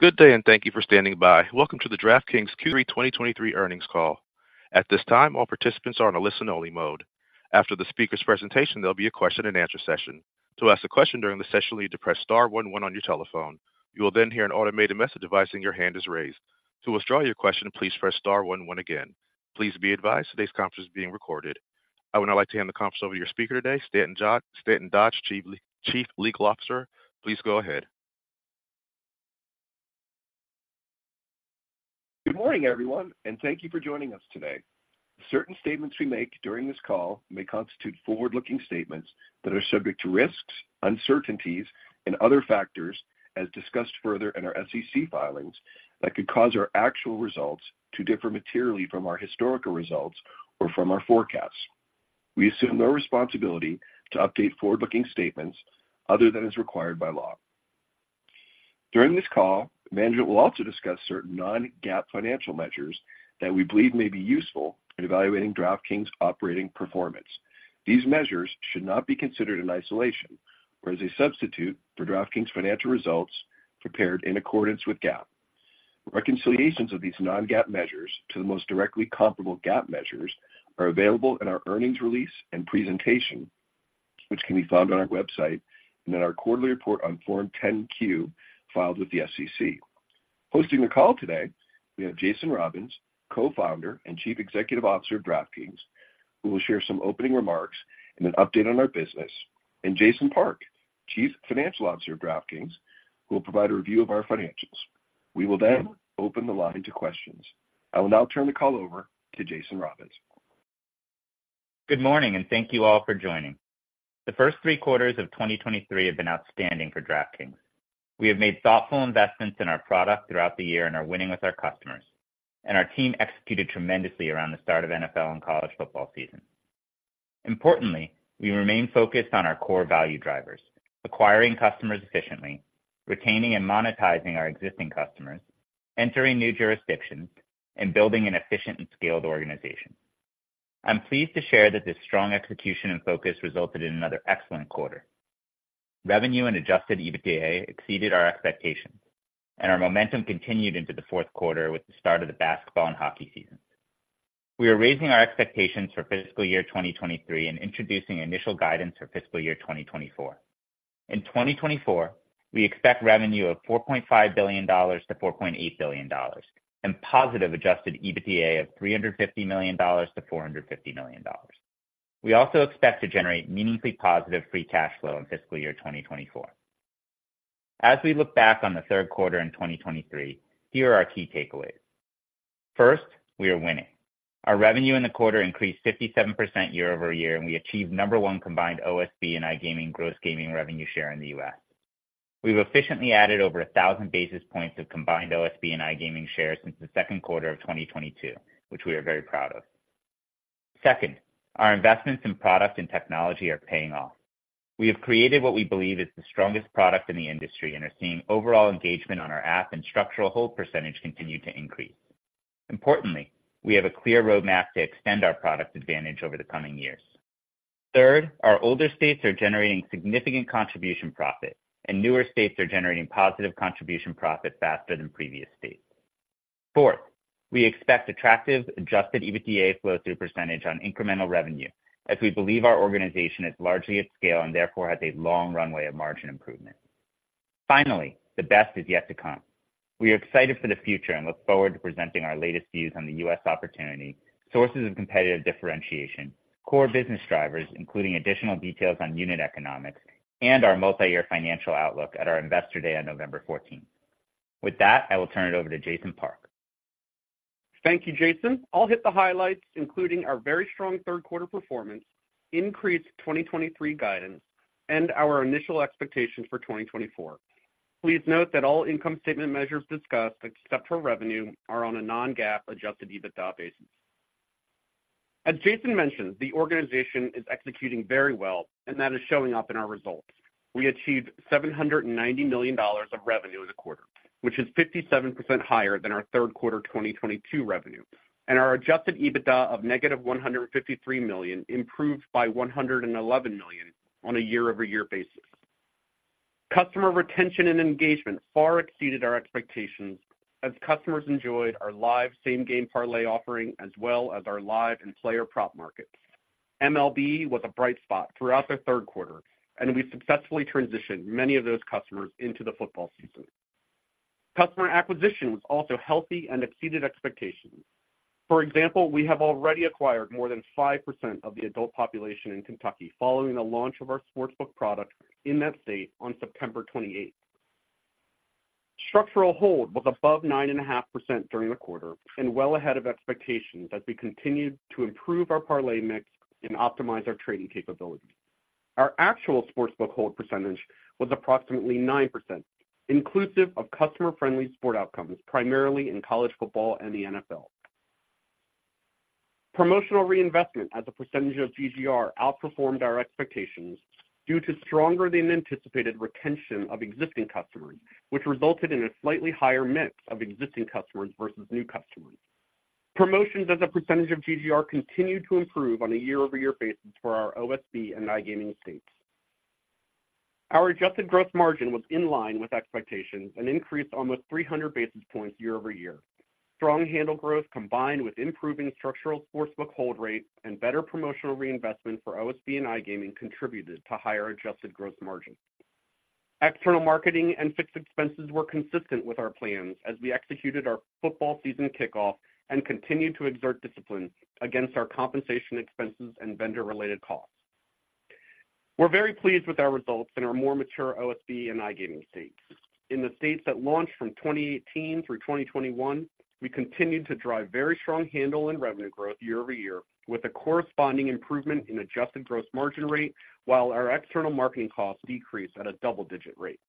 Good day, and thank you for standing by. Welcome to the DraftKings Q3 2023 earnings call. At this time, all participants are on a listen-only mode. After the speaker's presentation, there'll be a question-and-answer session. To ask a question during the session, you need to press star one one on your telephone. You will then hear an automated message advising your hand is raised. To withdraw your question, please press star one one again. Please be advised, today's conference is being recorded. I would now like to hand the conference over to your speaker today, Stanton Dodge, Chief Legal Officer. Please go ahead. Good morning, everyone, and thank you for joining us today. Certain statements we make during this call may constitute forward-looking statements that are subject to risks, uncertainties, and other factors, as discussed further in our SEC filings, that could cause our actual results to differ materially from our historical results or from our forecasts. We assume no responsibility to update forward-looking statements other than as required by law. During this call, management will also discuss certain non-GAAP financial measures that we believe may be useful in evaluating DraftKings' operating performance. These measures should not be considered in isolation or as a substitute for DraftKings' financial results prepared in accordance with GAAP. Reconciliations of these non-GAAP measures to the most directly comparable GAAP measures are available in our earnings release and presentation, which can be found on our website, and in our quarterly report on Form 10-Q, filed with the SEC. Hosting the call today, we have Jason Robins, Co-Founder and Chief Executive Officer of DraftKings, who will share some opening remarks and an update on our business, and Jason Park, Chief Financial Officer of DraftKings, who will provide a review of our financials. We will then open the line to questions. I will now turn the call over to Jason Robins. Good morning, and thank you all for joining. The first three quarters of 2023 have been outstanding for DraftKings. We have made thoughtful investments in our product throughout the year and are winning with our customers, and our team executed tremendously around the start of NFL and college football season. Importantly, we remain focused on our core value drivers: acquiring customers efficiently, retaining and monetizing our existing customers, entering new jurisdictions, and building an efficient and scaled organization. I'm pleased to share that this strong execution and focus resulted in another excellent quarter. Revenue and Adjusted EBITDA exceeded our expectations, and our momentum continued into the Q4 with the start of the basketball and hockey season. We are raising our expectations for fiscal year 2023 and introducing initial guidance for fiscal year 2024. In 2024, we expect revenue of $4.5 billion-$4.8 billion and positive Adjusted EBITDA of $350 million-$450 million. We also expect to generate meaningfully positive free cash flow in fiscal year 2024. As we look back on the Q3 in 2023, here are our key takeaways. First, we are winning. Our revenue in the quarter increased 57% year-over-year, and we achieved No. 1 combined OSB and iGaming gross gaming revenue share in the U.S. We've efficiently added over 1,000 basis points of combined OSB and iGaming shares since the Q2 of 2022, which we are very proud of. Second, our investments in product and technology are paying off. We have created what we believe is the strongest product in the industry and are seeing overall engagement on our app and structural hold percentage continue to increase. Importantly, we have a clear roadmap to extend our product advantage over the coming years. Third, our older states are generating significant contribution profit, and newer states are generating positive contribution profit faster than previous states. Fourth, we expect attractive Adjusted EBITDA flow-through percentage on incremental revenue as we believe our organization is largely at scale and therefore has a long runway of margin improvement. Finally, the best is yet to come. We are excited for the future and look forward to presenting our latest views on the U.S. opportunity, sources of competitive differentiation, core business drivers, including additional details on unit economics and our multi-year financial outlook at our Investor Day on November 14th. With that, I will turn it over to Jason Park. Thank you, Jason. I'll hit the highlights, including our very strong Q3 performance, increased 2023 guidance, and our initial expectations for 2024. Please note that all income statement measures discussed, except for revenue, are on a non-GAAP Adjusted EBITDA basis. As Jason mentioned, the organization is executing very well, and that is showing up in our results. We achieved $790 million of revenue in the quarter, which is 57% higher than our Q3 2022 revenue, and our Adjusted EBITDA of -$153 million improved by $111 million on a year-over-year basis. Customer retention and engagement far exceeded our expectations as customers enjoyed our live Same Game Parlay offering as well as our live and player prop markets. MLB was a bright spot throughout the Q3, and we successfully transitioned many of those customers into the football season. Customer acquisition was also healthy and exceeded expectations. For example, we have already acquired more than 5% of the adult population in Kentucky following the launch of our Sportsbook product in that state on September 28th. Structural hold was above 9.5% during the quarter and well ahead of expectations as we continued to improve our parlay mix and optimize our trading capabilities. Our actual Sportsbook hold percentage was approximately 9%, inclusive of customer-friendly sport outcomes, primarily in college football and the NFL. Promotional reinvestment, as a percentage of GGR, outperformed our expectations due to stronger-than-anticipated retention of existing customers, which resulted in a slightly higher mix of existing customers versus new customers. Promotions as a percentage of GGR continued to improve on a year-over-year basis for our OSB and iGaming states. Our adjusted gross margin was in line with expectations and increased almost 300 basis points year-over-year. Strong handle growth, combined with improving structural sportsbook hold rates and better promotional reinvestment for OSB and iGaming, contributed to higher adjusted gross margin. External marketing and fixed expenses were consistent with our plans as we executed our football season kickoff and continued to exert discipline against our compensation expenses and vendor-related costs. We're very pleased with our results in our more mature OSB and iGaming states. In the states that launched from 2018 through 2021, we continued to drive very strong handle and revenue growth year-over-year, with a corresponding improvement in adjusted gross margin rate, while our external marketing costs decreased at a double-digit rate.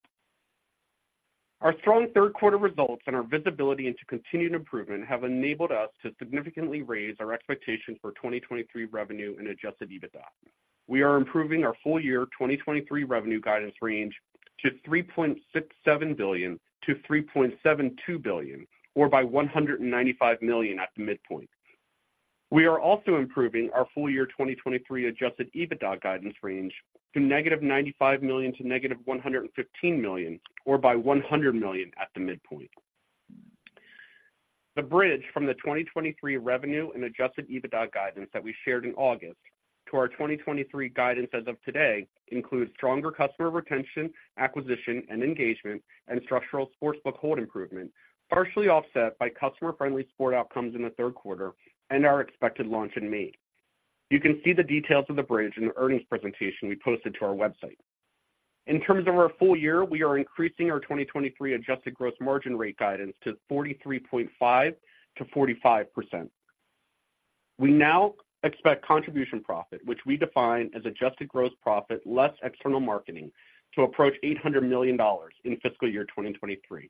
Our strong Q3 results and our visibility into continued improvement have enabled us to significantly raise our expectations for 2023 revenue and adjusted EBITDA. We are improving our full year 2023 revenue guidance range to $3.67 billion-$3.72 billion, or by $195 million at the midpoint. We are also improving our full year 2023 adjusted EBITDA guidance range to -$95 million-$115 million, or by $100 million at the midpoint. The bridge from the 2023 revenue and Adjusted EBITDA guidance that we shared in August to our 2023 guidance as of today includes stronger customer retention, acquisition, and engagement, and structural sportsbook hold improvement, partially offset by customer-friendly sport outcomes in the Q3 and our expected launch in May. You can see the details of the bridge in the earnings presentation we posted to our website. In terms of our full year, we are increasing our 2023 adjusted gross margin rate guidance to 43.5%-45%. We now expect contribution profit, which we define as adjusted gross profit less external marketing, to approach $800 million in fiscal year 2023.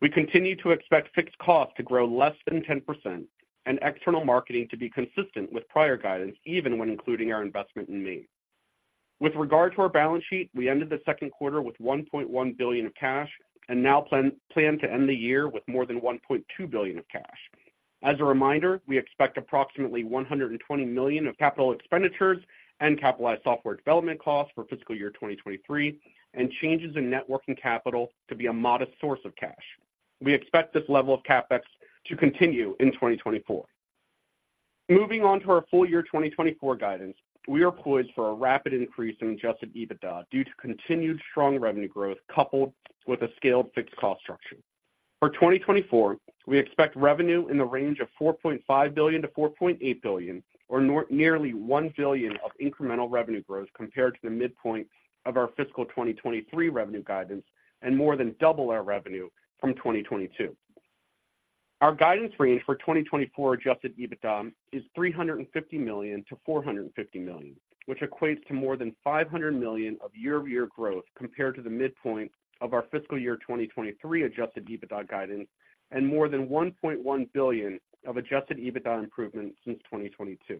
We continue to expect fixed costs to grow less than 10% and external marketing to be consistent with prior guidance, even when including our investment in May. With regard to our balance sheet, we ended the Q2 with $1.1 billion of cash and now plan to end the year with more than $1.2 billion of cash. As a reminder, we expect approximately $120 million of capital expenditures and capitalized software development costs for fiscal year 2023 and changes in net working capital to be a modest source of cash. We expect this level of CapEx to continue in 2024. Moving on to our full-year 2024 guidance, we are poised for a rapid increase in adjusted EBITDA due to continued strong revenue growth, coupled with a scaled fixed cost structure. For 2024, we expect revenue in the range of $4.5 billion-$4.8 billion, or nearly $1 billion of incremental revenue growth compared to the midpoint of our fiscal 2023 revenue guidance and more than double our revenue from 2022. Our guidance range for 2024 Adjusted EBITDA is $350 million-$450 million, which equates to more than $500 million of year-over-year growth compared to the midpoint of our fiscal year 2023 Adjusted EBITDA guidance, and more than $1.1 billion of Adjusted EBITDA improvement since 2022.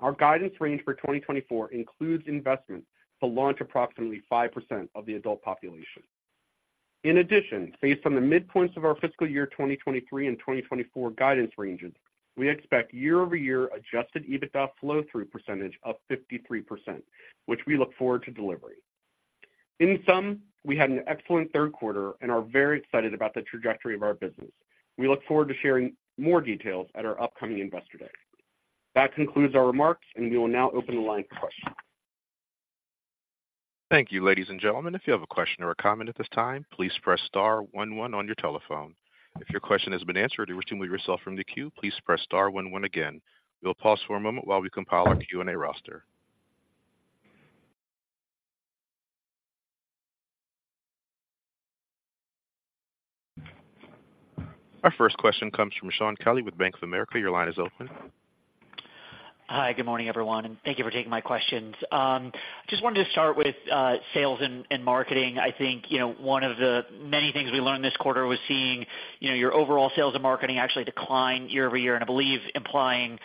Our guidance range for 2024 includes investment to launch approximately 5% of the adult population. In addition, based on the midpoints of our fiscal year 2023 and 2024 guidance ranges, we expect year-over-year adjusted EBITDA flow through percentage of 53%, which we look forward to delivering. In sum, we had an excellent Q3 and are very excited about the trajectory of our business. We look forward to sharing more details at our upcoming Investor Day. That concludes our remarks, and we will now open the line for questions. Thank you, ladies and gentlemen. If you have a question or a comment at this time, please press star one one on your telephone. If your question has been answered, or to remove yourself from the queue, please press star one one again. We'll pause for a moment while we compile our Q&A roster. Our first question comes from Shaun Kelley with Bank of America. Your line is open. Hi, good morning, everyone, and thank you for taking my questions. Just wanted to start with sales and marketing. I think, you know, one of the many things we learned this quarter was seeing, you know, your overall sales and marketing actually decline year-over-year, and I believe implying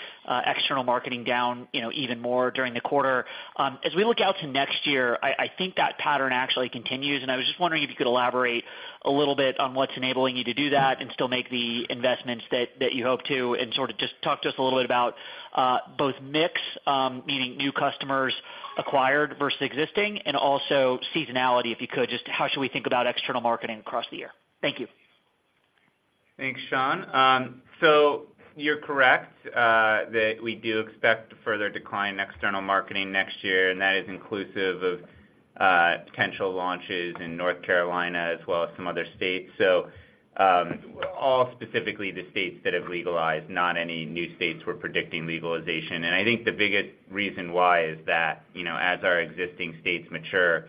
external marketing down, you know, even more during the quarter. As we look out to next year, I think that pattern actually continues, and I was just wondering if you could elaborate a little bit on what's enabling you to do that and still make the investments that you hope to, and sort of just talk to us a little bit about both mix, meaning new customers acquired versus existing, and also seasonality, if you could. Just how should we think about external marketing across the year? Thank you. Thanks, Shaun. So you're correct that we do expect further decline in external marketing next year, and that is inclusive of potential launches in North Carolina as well as some other states. So, all specifically the states that have legalized, not any new states we're predicting legalization. And I think the biggest reason why is that, you know, as our existing states mature,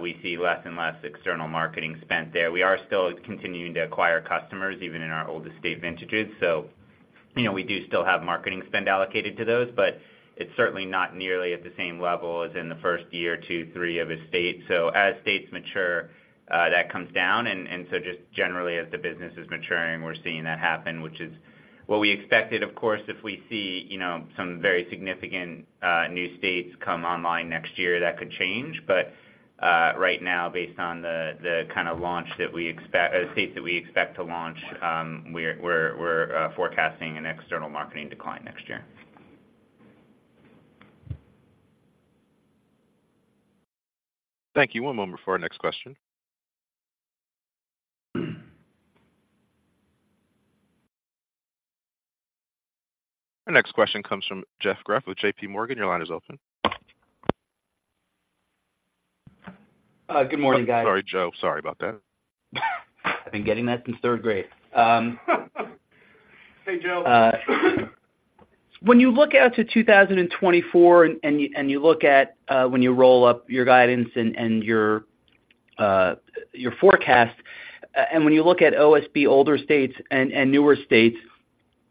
we see less and less external marketing spent there. We are still continuing to acquire customers, even in our oldest state vintages. So, you know, we do still have marketing spend allocated to those, but it's certainly not nearly at the same level as in the first year, two, three of a state. So as states mature, that comes down. And, and so just generally, as the business is maturing, we're seeing that happen, which is what we expected. Of course, if we see, you know, some very significant, new states come online next year, that could change. But,... right now, based on the kind of launch that we expect, states that we expect to launch, we're forecasting an external marketing decline next year. Thank you. One moment before our next question. Our next question comes from Jeff Greff with JPMorgan. Your line is open. Good morning, guys. Sorry, Jeff. Sorry about that. I've been getting that since third grade. Hey, Joe. When you look out to 2024 and you, and you look at, when you roll up your guidance and, and your, your forecast, and when you look at OSB older states and, and newer states,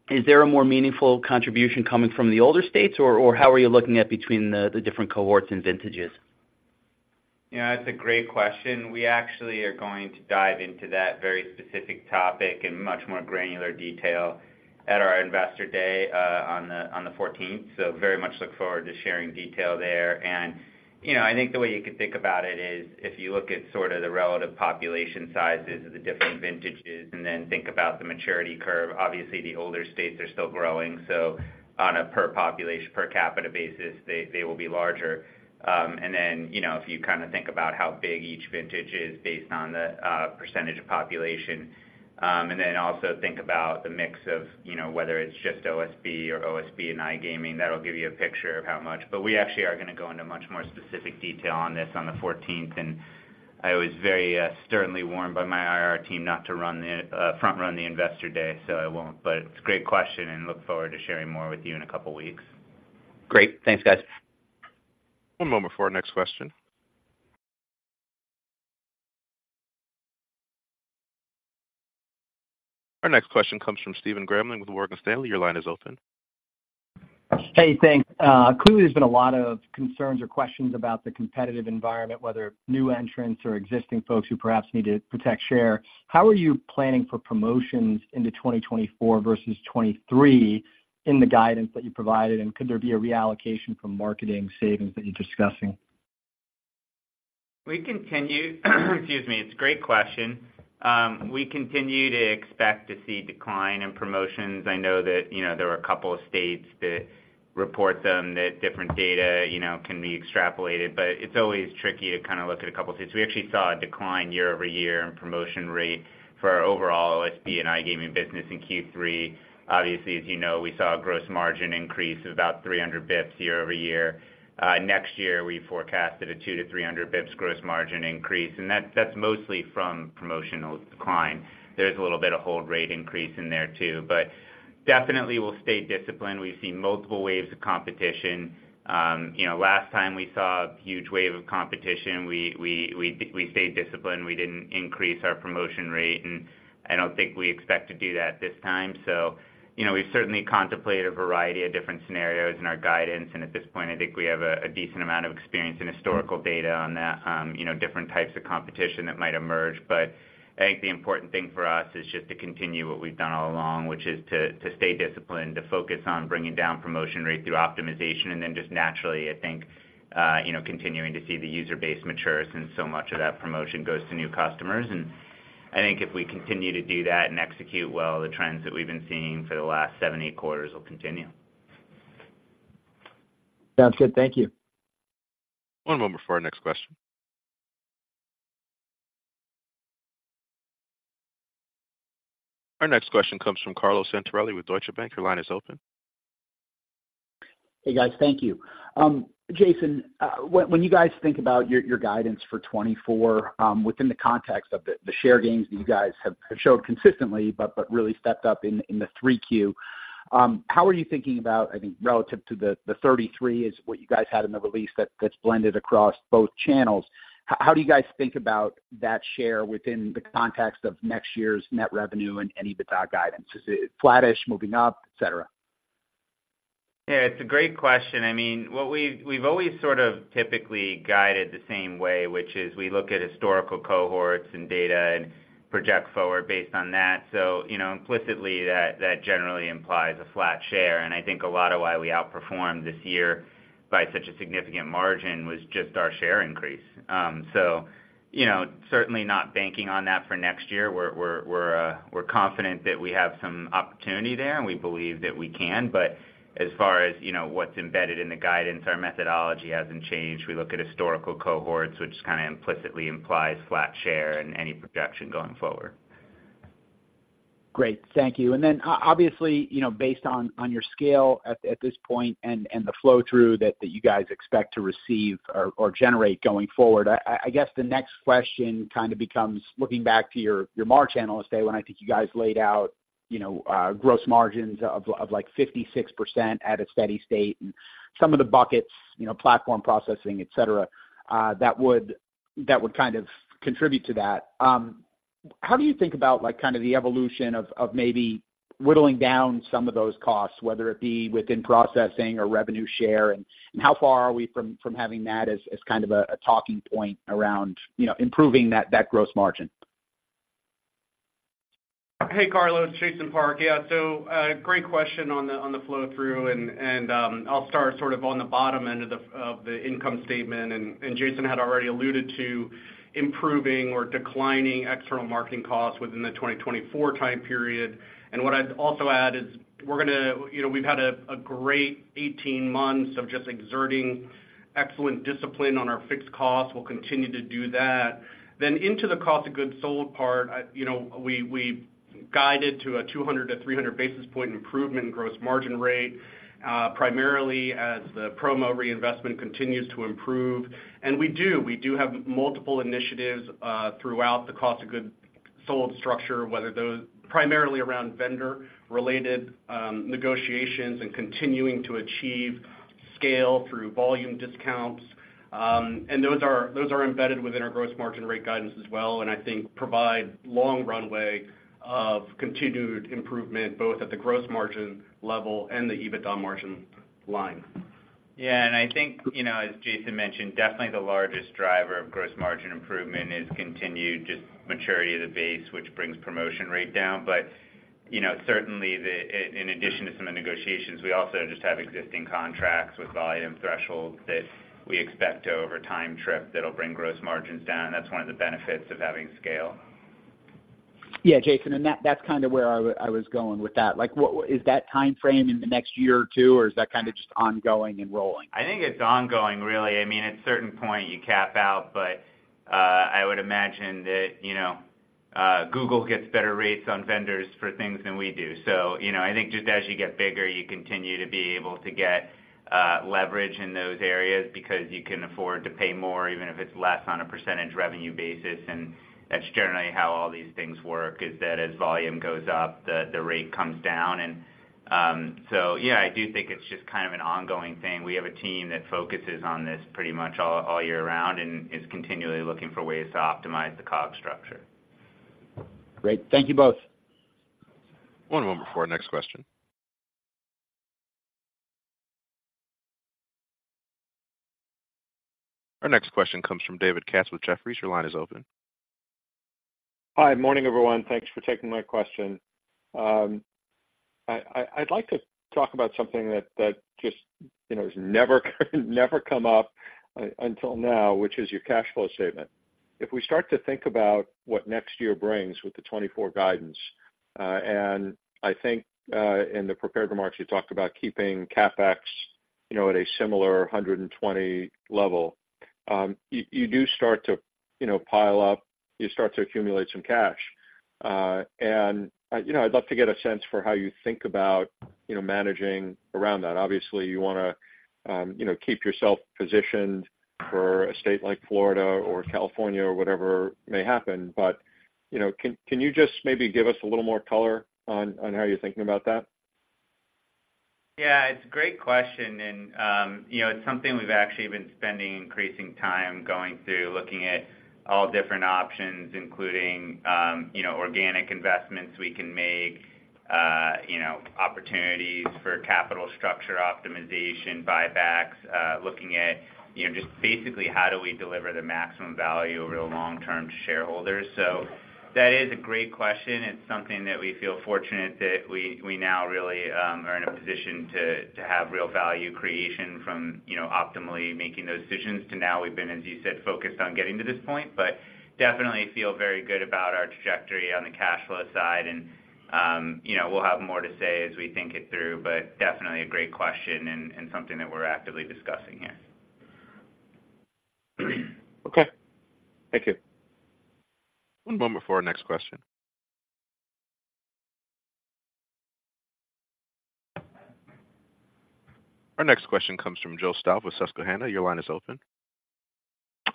is there a more meaningful contribution coming from the older states, or, or how are you looking at between the, the different cohorts and vintages? Yeah, that's a great question. We actually are going to dive into that very specific topic in much more granular detail at our Investor Day on the 14th. So very much look forward to sharing detail there. And, you know, I think the way you could think about it is, if you look at sort of the relative population sizes of the different vintages, and then think about the maturity curve, obviously the older states are still growing, so on a per capita basis, they will be larger. And then, you know, if you kind of think about how big each vintage is based on the percentage of population, and then also think about the mix of, you know, whether it's just OSB or OSB and iGaming, that'll give you a picture of how much. But we actually are going to go into much more specific detail on this on the 14th, and I was very, sternly warned by my IR team not to run the, front-run the Investor Day, so I won't. But it's a great question, and look forward to sharing more with you in a couple weeks. Great. Thanks, guys. One moment before our next question. Our next question comes from Stephen Grambling, with Morgan Stanley. Your line is open. Hey, thanks. Clearly, there's been a lot of concerns or questions about the competitive environment, whether new entrants or existing folks who perhaps need to protect share. How are you planning for promotions into 2024 versus 2023 in the guidance that you provided? And could there be a reallocation from marketing savings that you're discussing? We continue, excuse me. It's a great question. We continue to expect to see decline in promotions. I know that, you know, there are a couple of states that report them, that different data, you know, can be extrapolated, but it's always tricky to kind of look at a couple states. We actually saw a decline year-over-year in promotion rate for our overall OSB and iGaming business in Q3. Obviously, as you know, we saw a gross margin increase of about 300 basis points year-over-year. Next year, we forecasted a 200-300 basis points gross margin increase, and that's, that's mostly from promotional decline. There's a little bit of hold rate increase in there, too, but definitely we'll stay disciplined. We've seen multiple waves of competition. You know, last time we saw a huge wave of competition, we stayed disciplined. We didn't increase our promotion rate, and I don't think we expect to do that this time. So you know, we've certainly contemplated a variety of different scenarios in our guidance, and at this point, I think we have a decent amount of experience and historical data on that, you know, different types of competition that might emerge. But I think the important thing for us is just to continue what we've done all along, which is to stay disciplined, to focus on bringing down promotion rate through optimization, and then just naturally, I think, you know, continuing to see the user base mature since so much of that promotion goes to new customers. I think if we continue to do that and execute well, the trends that we've been seeing for the last seven, eight quarters will continue. Sounds good. Thank you. One moment before our next question. Our next question comes from Carlo Santarelli with Deutsche Bank. Your line is open. Hey, guys. Thank you. Jason, when you guys think about your guidance for 2024, within the context of the share gains that you guys have showed consistently, but really stepped up in Q3, how are you thinking about, I think, relative to the 33, which is what you guys had in the release that's blended across both channels? How do you guys think about that share within the context of next year's net revenue and EBITDA guidance? Is it flattish, moving up, et cetera? Yeah, it's a great question. I mean, what we've always sort of typically guided the same way, which is we look at historical cohorts and data and project forward based on that. So, you know, implicitly, that generally implies a flat share. And I think a lot of why we outperformed this year by such a significant margin was just our share increase. So you know, certainly not banking on that for next year. We're confident that we have some opportunity there, and we believe that we can. But as far as you know, what's embedded in the guidance, our methodology hasn't changed. We look at historical cohorts, which kind of implicitly implies flat share in any projection going forward. Great. Thank you. And then obviously, you know, based on your scale at this point and the flow-through that you guys expect to receive or generate going forward, I guess the next question kind of becomes looking back to your March Analyst Day, when I think you guys laid out, you know, gross margins of like 56% at a steady state and some of the buckets, you know, platform processing, et cetera, that would kind of contribute to that. How do you think about like the evolution of maybe whittling down some of those costs, whether it be within processing or revenue share, and how far are we from having that as kind of a talking point around, you know, improving that gross margin? Hey, Carlo, Jason Park. Yeah, so, great question on the flow through, and I'll start sort of on the bottom end of the income statement, and Jason had already alluded to improving or declining external marketing costs within the 2024 time period. What I'd also add is we're gonna, you know, we've had a great 18 months of just exerting excellent discipline on our fixed costs. We'll continue to do that. Then into the cost of goods sold part, I, you know, we guided to a 200-300 basis point improvement in gross margin rate, primarily as the promo reinvestment continues to improve. We do, we do have multiple initiatives throughout the cost of goods sold structure, whether those, primarily around vendor-related negotiations and continuing to achieve scale through volume discounts. And those are, those are embedded within our gross margin rate guidance as well, and I think provide long runway of continued improvement, both at the gross margin level and the EBITDA margin line. Yeah, and I think, you know, as Jason mentioned, definitely the largest driver of gross margin improvement is continued just maturity of the base, which brings promotion rate down. But, you know, certainly the, in addition to some of the negotiations, we also just have existing contracts with volume thresholds that we expect to, over time, trip, that'll bring gross margins down, and that's one of the benefits of having scale. Yeah, Jason, and that, that's kind of where I was going with that. Like, what, is that timeframe in the next year or two, or is that kind of just ongoing and rolling? I think it's ongoing, really. I mean, at a certain point, you cap out, but I would imagine that, you know, Google gets better rates on vendors for things than we do. So, you know, I think just as you get bigger, you continue to be able to get leverage in those areas because you can afford to pay more, even if it's less on a percentage revenue basis. And that's generally how all these things work, is that as volume goes up, the rate comes down. And so yeah, I do think it's just kind of an ongoing thing. We have a team that focuses on this pretty much all year round and is continually looking for ways to optimize the COG structure. Great. Thank you both. One moment before our next question. Our next question comes from David Katz with Jefferies. Your line is open. Hi, morning, everyone. Thanks for taking my question. I'd like to talk about something that just, you know, has never come up until now, which is your cash flow statement. If we start to think about what next year brings with the 2024 guidance, and I think in the prepared remarks, you talked about keeping CapEx, you know, at a similar 120 level. You do start to, you know, pile up, you start to accumulate some cash. And you know, I'd love to get a sense for how you think about, you know, managing around that. Obviously, you wanna, you know, keep yourself positioned for a state like Florida or California or whatever may happen. You know, can you just maybe give us a little more color on how you're thinking about that? Yeah, it's a great question, and, you know, it's something we've actually been spending increasing time going through, looking at all different options, including, you know, organic investments we can make, you know, opportunities for capital structure optimization, buybacks. Looking at, you know, just basically, how do we deliver the maximum value over the long term to shareholders? So that is a great question. It's something that we feel fortunate that we now really are in a position to have real value creation from, you know, optimally making those decisions. To now we've been, as you said, focused on getting to this point, but definitely feel very good about our trajectory on the cash flow side. And, you know, we'll have more to say as we think it through, but definitely a great question and something that we're actively discussing here. Okay. Thank you. One moment before our next question. Our next question comes from Joe Stauff with Susquehanna. Your line is open.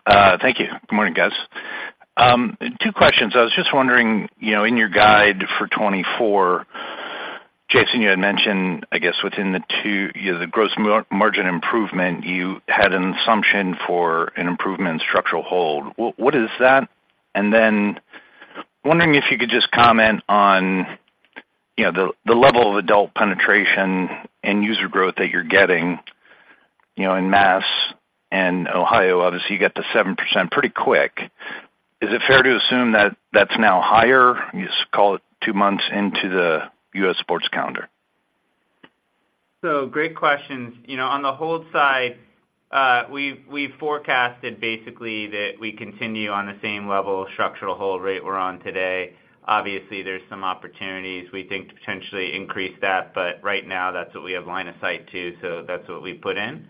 Thank you. Good morning, guys. Two questions. I was just wondering, you know, in your guide for 2024, Jason, you had mentioned, I guess, within the gross margin improvement, you had an assumption for an improvement in structural hold. What is that? And then wondering if you could just comment on, you know, the level of adult penetration and user growth that you're getting, you know, in Mass and Ohio. Obviously, you got to 7% pretty quick. Is it fair to assume that that's now higher? You just call it 2 months into the U.S. sports calendar. So great questions. You know, on the hold side, we've forecasted basically that we continue on the same level of structural hold rate we're on today. Obviously, there's some opportunities we think to potentially increase that, but right now that's what we have line of sight to, so that's what we've put in.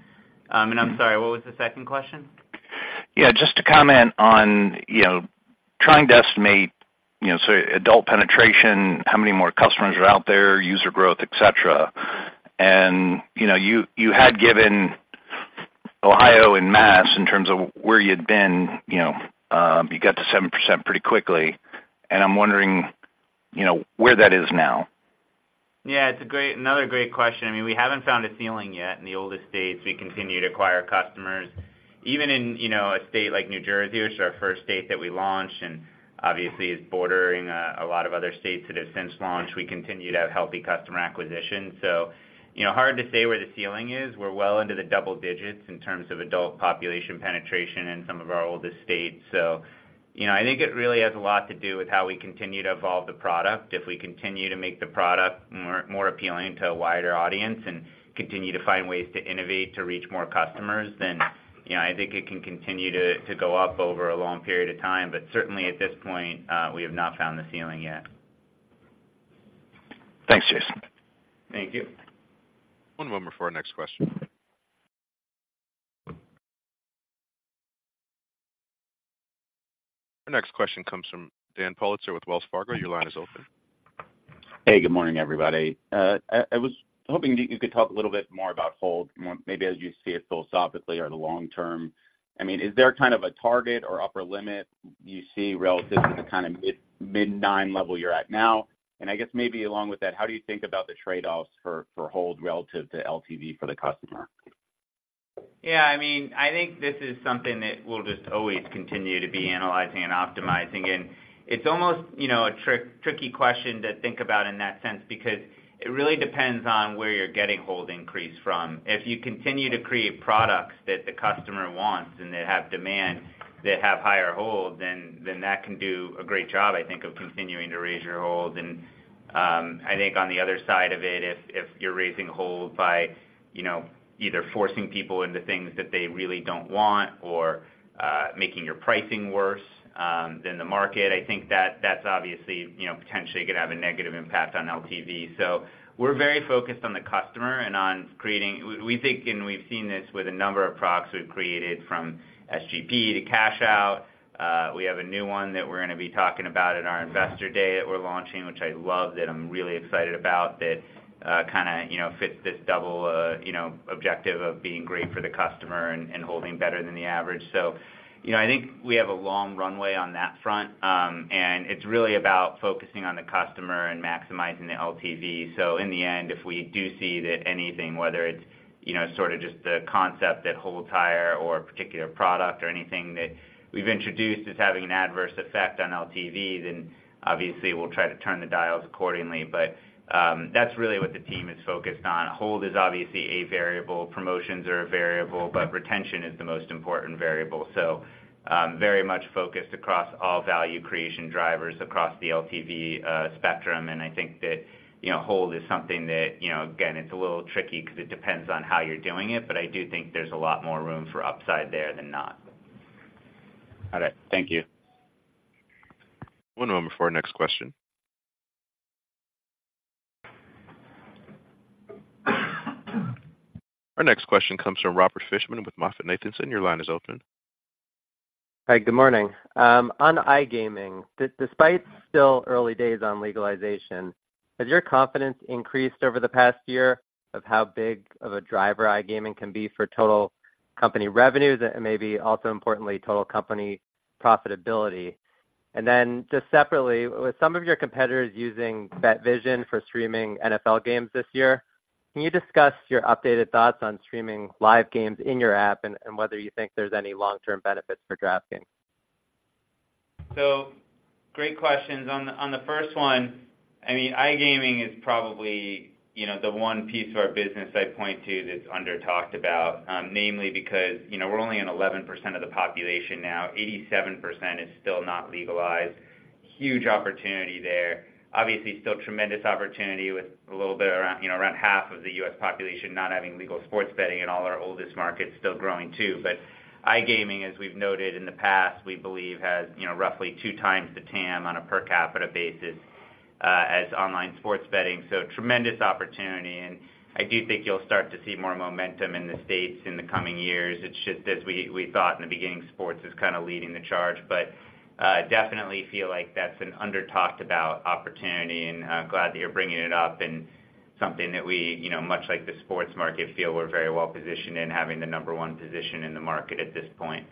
And I'm sorry, what was the second question? Yeah, just to comment on, you know, trying to estimate, you know, so adult penetration, how many more customers are out there, user growth, et cetera. And, you know, you had given Ohio and Mass in terms of where you'd been, you know, you got to 7% pretty quickly, and I'm wondering, you know, where that is now. Yeah, it's a great, another great question. I mean, we haven't found a ceiling yet in the oldest states. We continue to acquire customers. Even in, you know, a state like New Jersey, which is our first state that we launched and obviously is bordering a lot of other states that have since launched, we continue to have healthy customer acquisition. So, you know, hard to say where the ceiling is. We're well into the double digits in terms of adult population penetration in some of our oldest states. You know, I think it really has a lot to do with how we continue to evolve the product. If we continue to make the product more appealing to a wider audience and continue to find ways to innovate, to reach more customers, then, you know, I think it can continue to go up over a long period of time. But certainly, at this point, we have not found the ceiling yet. Thanks, Jason. Thank you. One moment before our next question. Our next question comes from Dan Politzer with Wells Fargo. Your line is open. Hey, good morning, everybody. I was hoping you could talk a little bit more about hold, more maybe as you see it philosophically or the long term. I mean, is there kind of a target or upper limit you see relative to the kind of mid- mid nine level you're at now? And I guess maybe along with that, how do you think about the trade-offs for hold relative to LTV for the customer? Yeah, I mean, I think this is something that we'll just always continue to be analyzing and optimizing, and it's almost, you know, a tricky question to think about in that sense, because it really depends on where you're getting hold increase from. If you continue to create products that the customer wants, and that have demand, that have higher hold, then, then that can do a great job, I think, of continuing to raise your hold. And I think on the other side of it, if, if you're raising hold by, you know, either forcing people into things that they really don't want or making your pricing worse than the market, I think that that's obviously, you know, potentially gonna have a negative impact on LTV. So we're very focused on the customer and on creating—we think, and we've seen this with a number of products we've created, from SGP to Cash Out. We have a new one that we're gonna be talking about at our Investor Day, that we're launching, which I love, that I'm really excited about, that kinda, you know, fits this double, you know, objective of being great for the customer and, and holding better than the average. So, you know, I think we have a long runway on that front. And it's really about focusing on the customer and maximizing the LTV. So in the end, if we do see that anything, whether it's, you know, sort of just the concept that holds higher or a particular product or anything that we've introduced, is having an adverse effect on LTV, then obviously we'll try to turn the dials accordingly. But, that's really what the team is focused on. Hold is obviously a variable, promotions are a variable, but retention is the most important variable. So, very much focused across all value creation drivers across the LTV spectrum. And I think that, you know, hold is something that, you know, again, it's a little tricky because it depends on how you're doing it, but I do think there's a lot more room for upside there than not. All right. Thank you. One moment before our next question. Our next question comes from Robert Fishman with MoffettNathanson. Your line is open. Hi, good morning. On iGaming, despite still early days on legalization, has your confidence increased over the past year of how big of a driver iGaming can be for total company revenues and maybe also importantly, total company profitability? And then just separately, with some of your competitors using that vision for streaming NFL games this year, can you discuss your updated thoughts on streaming live games in your app and whether you think there's any long-term benefits for DraftKings? So great questions. On the, on the first one, I mean, iGaming is probably, you know, the one piece of our business I'd point to that's under-talked about. Mainly because, you know, we're only in 11% of the population now, 87% is still not legalized. Huge opportunity there. Obviously, still tremendous opportunity with a little bit around, you know, around half of the U.S. population not having legal sports betting and all our oldest markets still growing, too. But iGaming, as we've noted in the past, we believe, has, you know, roughly two times the TAM on a per capita basis, as online sports betting. So tremendous opportunity, and I do think you'll start to see more momentum in the States in the coming years. It's just as we thought in the beginning, sports is kind of leading the charge, but definitely feel like that's an under-talked about opportunity, and glad that you're bringing it up. Something that we, you know, much like the sports market, feel we're very well positioned in having the number one position in the market at this point.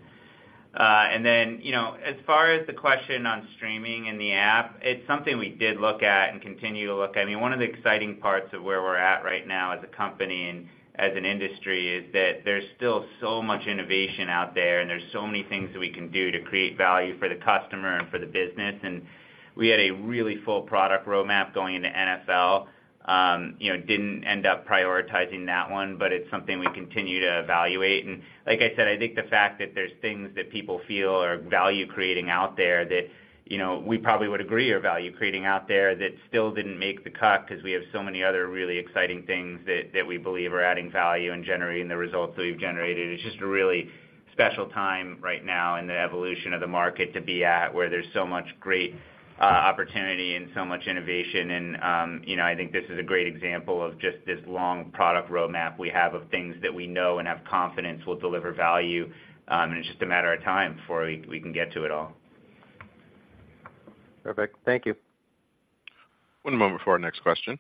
And then, you know, as far as the question on streaming and the app, it's something we did look at and continue to look at. I mean, one of the exciting parts of where we're at right now as a company and as an industry is that there's still so much innovation out there, and there's so many things that we can do to create value for the customer and for the business. And we had a really full product roadmap going into NFL. You know, didn't end up prioritizing that one, but it's something we continue to evaluate. And like I said, I think the fact that there's things that people feel are value-creating out there, that, you know, we probably would agree, are value-creating out there, that still didn't make the cut because we have so many other really exciting things that, that we believe are adding value and generating the results that we've generated. It's just a really special time right now in the evolution of the market to be at, where there's so much great opportunity and so much innovation. And, you know, I think this is a great example of just this long product roadmap we have of things that we know and have confidence will deliver value, and it's just a matter of time before we, we can get to it all. Perfect. Thank you. One moment before our next question.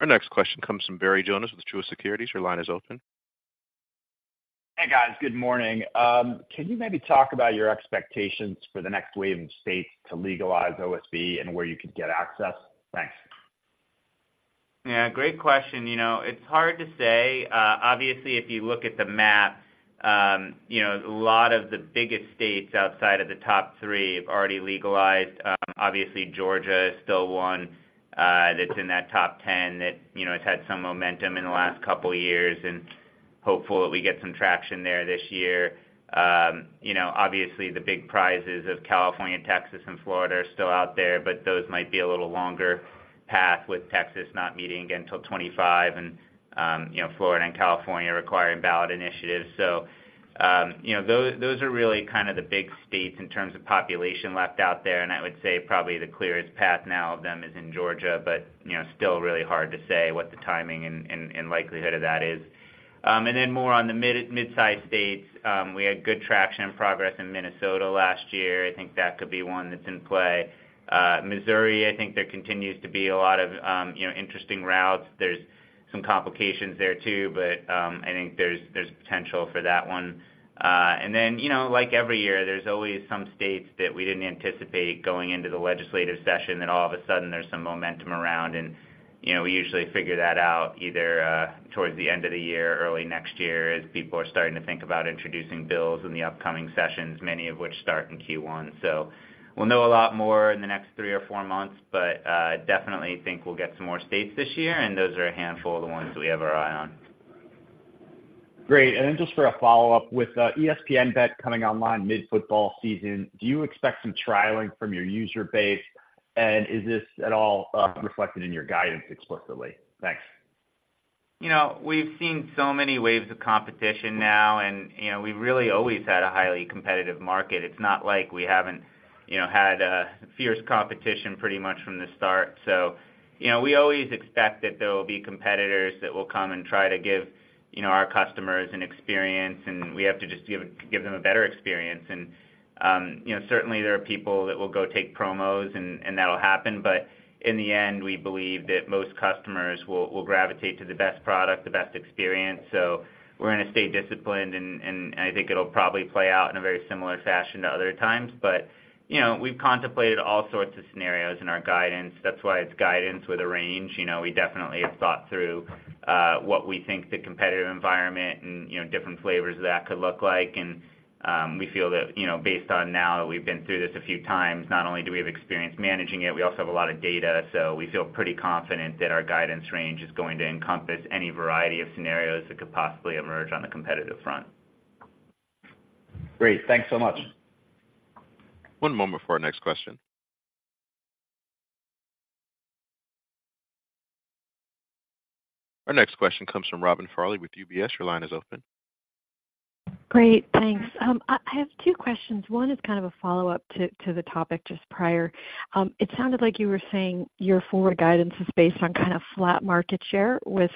Our next question comes from Barry Jonas with Truist Securities. Your line is open. Hey, guys. Good morning. Can you maybe talk about your expectations for the next wave of states to legalize OSB and where you could get access? Thanks. Yeah, great question. You know, it's hard to say. Obviously, if you look at the map. You know, a lot of the biggest states outside of the top three have already legalized. Obviously, Georgia is still one, that's in that top ten that, you know, has had some momentum in the last couple years, and hopeful that we get some traction there this year. You know, obviously, the big prizes of California, Texas, and Florida are still out there, but those might be a little longer path with Texas not meeting again till 2025, and, you know, Florida and California requiring ballot initiatives. So, you know, those, those are really kind of the big states in terms of population left out there. I would say probably the clearest path now of them is in Georgia, but, you know, still really hard to say what the timing and likelihood of that is. Then more on the midsize states, we had good traction and progress in Minnesota last year. I think that could be one that's in play. Missouri, I think there continues to be a lot of, you know, interesting routes. There's some complications there, too, but, I think there's potential for that one. And then, you know, like every year, there's always some states that we didn't anticipate going into the legislative session, then all of a sudden there's some momentum around, and, you know, we usually figure that out either toward the end of the year or early next year, as people are starting to think about introducing bills in the upcoming sessions, many of which start in Q1. So we'll know a lot more in the next three or four months, but definitely think we'll get some more states this year, and those are a handful of the ones we have our eye on. Great. And then just for a follow-up, with ESPN Bet coming online mid-football season, do you expect some trialing from your user base? And is this at all reflected in your guidance explicitly? Thanks. You know, we've seen so many waves of competition now, and, you know, we've really always had a highly competitive market. It's not like we haven't, you know, had fierce competition pretty much from the start. So, you know, we always expect that there will be competitors that will come and try to give, you know, our customers an experience, and we have to just give, give them a better experience. And, you know, certainly there are people that will go take promos, and, and that'll happen, but in the end, we believe that most customers will, will gravitate to the best product, the best experience. So we're gonna stay disciplined, and, and I think it'll probably play out in a very similar fashion to other times. But, you know, we've contemplated all sorts of scenarios in our guidance. That's why it's guidance with a range. You know, we definitely have thought through what we think the competitive environment and, you know, different flavors of that could look like. We feel that, you know, based on now that we've been through this a few times, not only do we have experience managing it, we also have a lot of data, so we feel pretty confident that our guidance range is going to encompass any variety of scenarios that could possibly emerge on the competitive front. Great. Thanks so much. One moment for our next question. Our next question comes from Robin Farley with UBS. Your line is open. Great, thanks. I have two questions. One is kind of a follow-up to the topic just prior. It sounded like you were saying your forward guidance is based on kind of flat market share with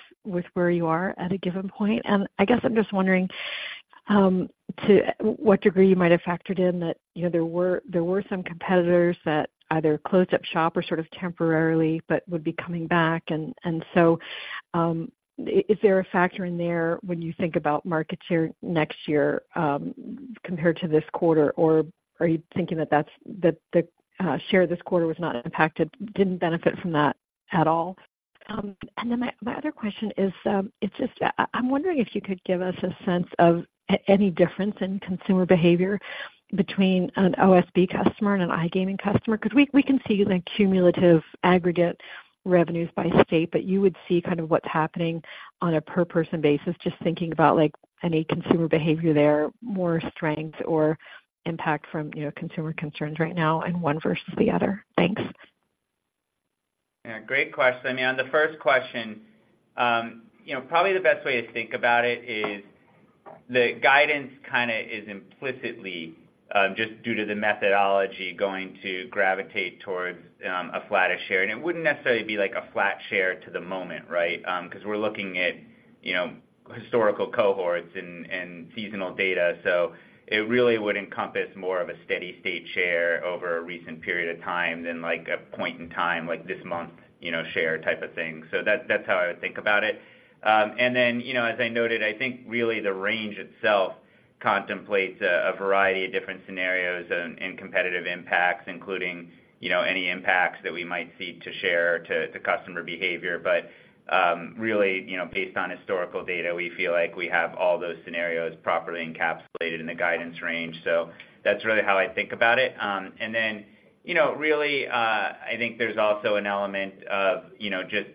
where you are at a given point. And I guess I'm just wondering to what degree you might have factored in that, you know, there were some competitors that either closed up shop or sort of temporarily, but would be coming back. And so, is there a factor in there when you think about market share next year compared to this quarter? Or are you thinking that that's that the share this quarter was not impacted, didn't benefit from that at all? Then my other question is, it's just, I'm wondering if you could give us a sense of any difference in consumer behavior between an OSB customer and an iGaming customer, because we can see the cumulative aggregate revenues by state, but you would see kind of what's happening on a per person basis, just thinking about, like, any consumer behavior there, more strength or impact from, you know, consumer concerns right now in one versus the other. Thanks. Yeah, great question. I mean, on the first question, you know, probably the best way to think about it is the guidance kind of is implicitly, just due to the methodology, going to gravitate towards, a flattish share. And it wouldn't necessarily be like a flat share to the moment, right? Because we're looking at, you know, historical cohorts and seasonal data, so it really would encompass more of a steady state share over a recent period of time than, like, a point in time, like this month, you know, share type of thing. So that, that's how I would think about it. And then, you know, as I noted, I think really the range itself contemplates a variety of different scenarios and competitive impacts, including, you know, any impacts that we might see to share to customer behavior. But, really, you know, based on historical data, we feel like we have all those scenarios properly encapsulated in the guidance range. So that's really how I think about it. And then, you know, really, I think there's also an element of, you know, just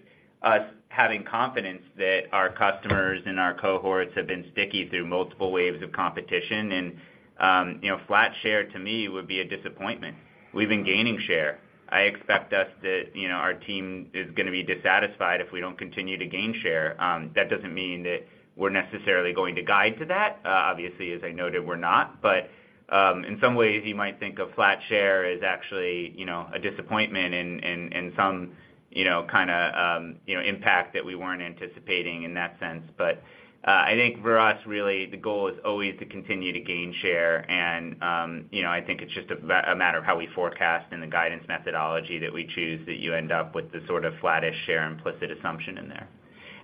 us having confidence that our customers and our cohorts have been sticky through multiple waves of competition. And, you know, flat share to me would be a disappointment. We've been gaining share. I expect us that, you know, our team is gonna be dissatisfied if we don't continue to gain share. That doesn't mean that we're necessarily going to guide to that. Obviously, as I noted, we're not. But, in some ways, you might think of flat share as actually, you know, a disappointment and some, you know, kind of impact that we weren't anticipating in that sense. But, I think for us, really, the goal is always to continue to gain share, and, you know, I think it's just a matter of how we forecast and the guidance methodology that we choose, that you end up with the sort of flattish share implicit assumption in there.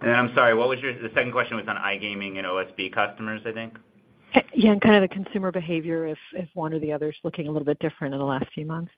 And I'm sorry, what was your... The second question was on iGaming and OSB customers, I think? Yeah, and kind of the consumer behavior, if one or the other is looking a little bit different in the last few months.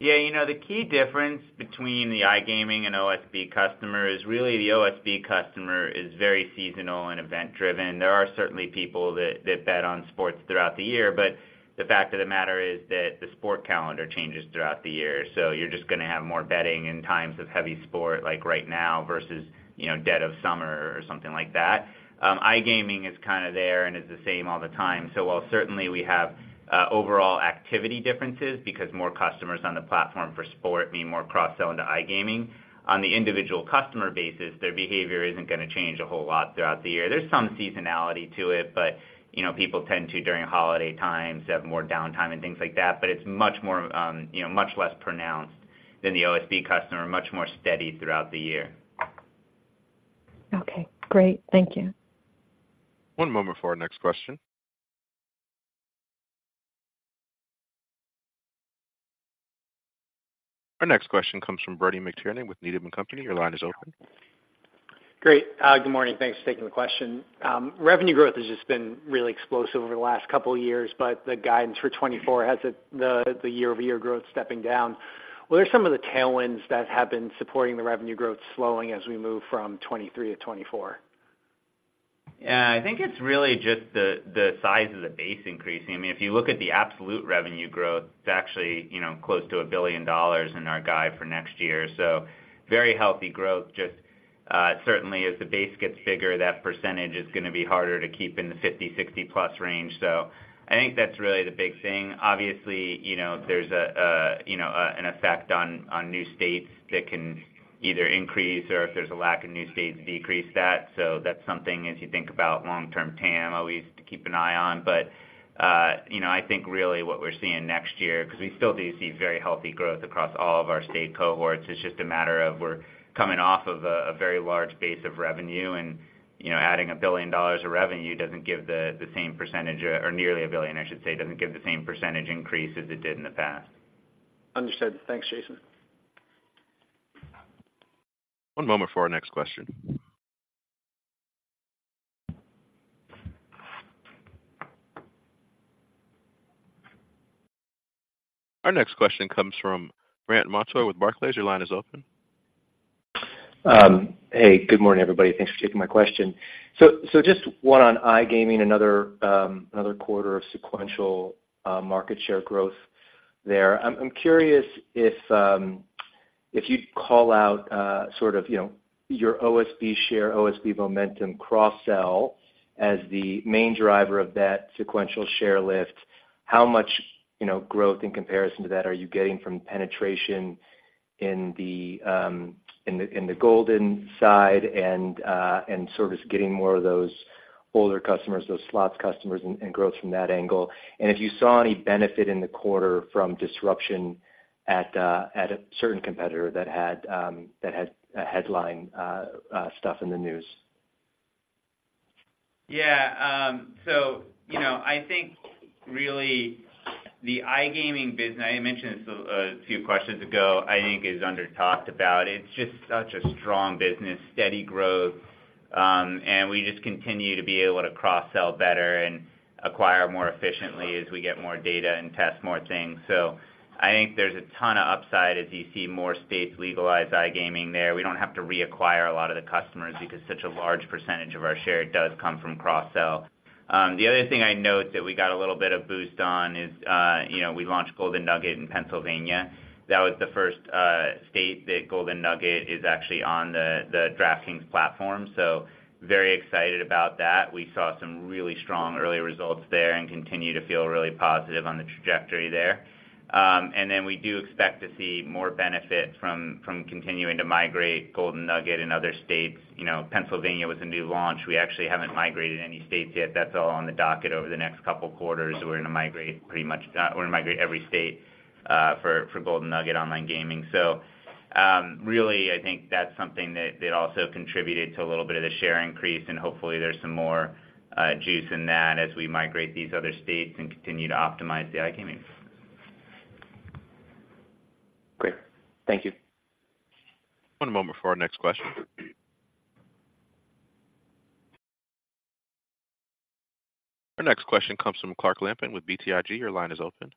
Yeah, you know, the key difference between the iGaming and OSB customer is really the OSB customer is very seasonal and event-driven. There are certainly people that bet on sports throughout the year, but the fact of the matter is that the sport calendar changes throughout the year. So you're just gonna have more betting in times of heavy sport, like right now, versus, you know, dead of summer or something like that. iGaming is kind of there and is the same all the time. So while certainly we have overall activity differences, because more customers on the platform for sport mean more cross-sell into iGaming, on the individual customer basis, their behavior isn't gonna change a whole lot throughout the year. There's some seasonality to it, but, you know, people tend to, during holiday times, have more downtime and things like that, but it's much more, you know, much less pronounced than the OSB customer, much more steady throughout the year. Okay, great. Thank you. One moment for our next question. Our next question comes from Bernie McTernan with Needham and Company. Your line is open. Great. Good morning. Thanks for taking the question. Revenue growth has just been really explosive over the last couple of years, but the guidance for 2024 has the year-over-year growth stepping down. What are some of the tailwinds that have been supporting the revenue growth slowing as we move from 2023 to 2024? Yeah, I think it's really just the size of the base increasing. I mean, if you look at the absolute revenue growth, it's actually, you know, close to $1 billion in our guide for next year. So very healthy growth, just certainly as the base gets bigger, that percentage is gonna be harder to keep in the 50-60+ range. So I think that's really the big thing. Obviously, you know, there's an effect on new states that can either increase or if there's a lack of new states, decrease that. So that's something, as you think about long-term TAM, always to keep an eye on. But, you know, I think really what we're seeing next year, because we still do see very healthy growth across all of our state cohorts, it's just a matter of we're coming off of a very large base of revenue, and, you know, adding $1 billion of revenue doesn't give the same percentage, or nearly $1 billion, I should say, doesn't give the same percentage increase as it did in the past. Understood. Thanks, Jason. One moment for our next question. Our next question comes from Brandt Montour with Barclays. Your line is open. Hey, good morning, everybody. Thanks for taking my question. So just one on iGaming, another quarter of sequential market share growth there. I'm curious if you'd call out, sort of, you know, your OSB share, OSB momentum cross-sell as the main driver of that sequential share lift, how much, you know, growth in comparison to that are you getting from penetration in the Golden side and sort of getting more of those older customers, those slots customers, and growth from that angle? And if you saw any benefit in the quarter from disruption at a certain competitor that had headline stuff in the news. Yeah, so, you know, I think really the iGaming business, I mentioned this a few questions ago, I think is under-talked about. It's just such a strong business, steady growth, and we just continue to be able to cross-sell better and acquire more efficiently as we get more data and test more things. So I think there's a ton of upside as you see more states legalize iGaming there. We don't have to reacquire a lot of the customers because such a large percentage of our share does come from cross-sell. The other thing I'd note that we got a little bit of boost on is, you know, we launched Golden Nugget in Pennsylvania. That was the first state that Golden Nugget is actually on the DraftKings platform, so very excited about that. We saw some really strong early results there and continue to feel really positive on the trajectory there. And then we do expect to see more benefit from, from continuing to migrate Golden Nugget in other states. You know, Pennsylvania was a new launch. We actually haven't migrated any states yet. That's all on the docket over the next couple of quarters. We're gonna migrate pretty much, we're gonna migrate every state, for, for Golden Nugget Online Gaming. So, really, I think that's something that, that also contributed to a little bit of the share increase, and hopefully, there's some more juice in that as we migrate these other states and continue to optimize the iGaming. Great. Thank you. One moment before our next question. Our next question comes from Clark Lampen with BTIG. Your line is open.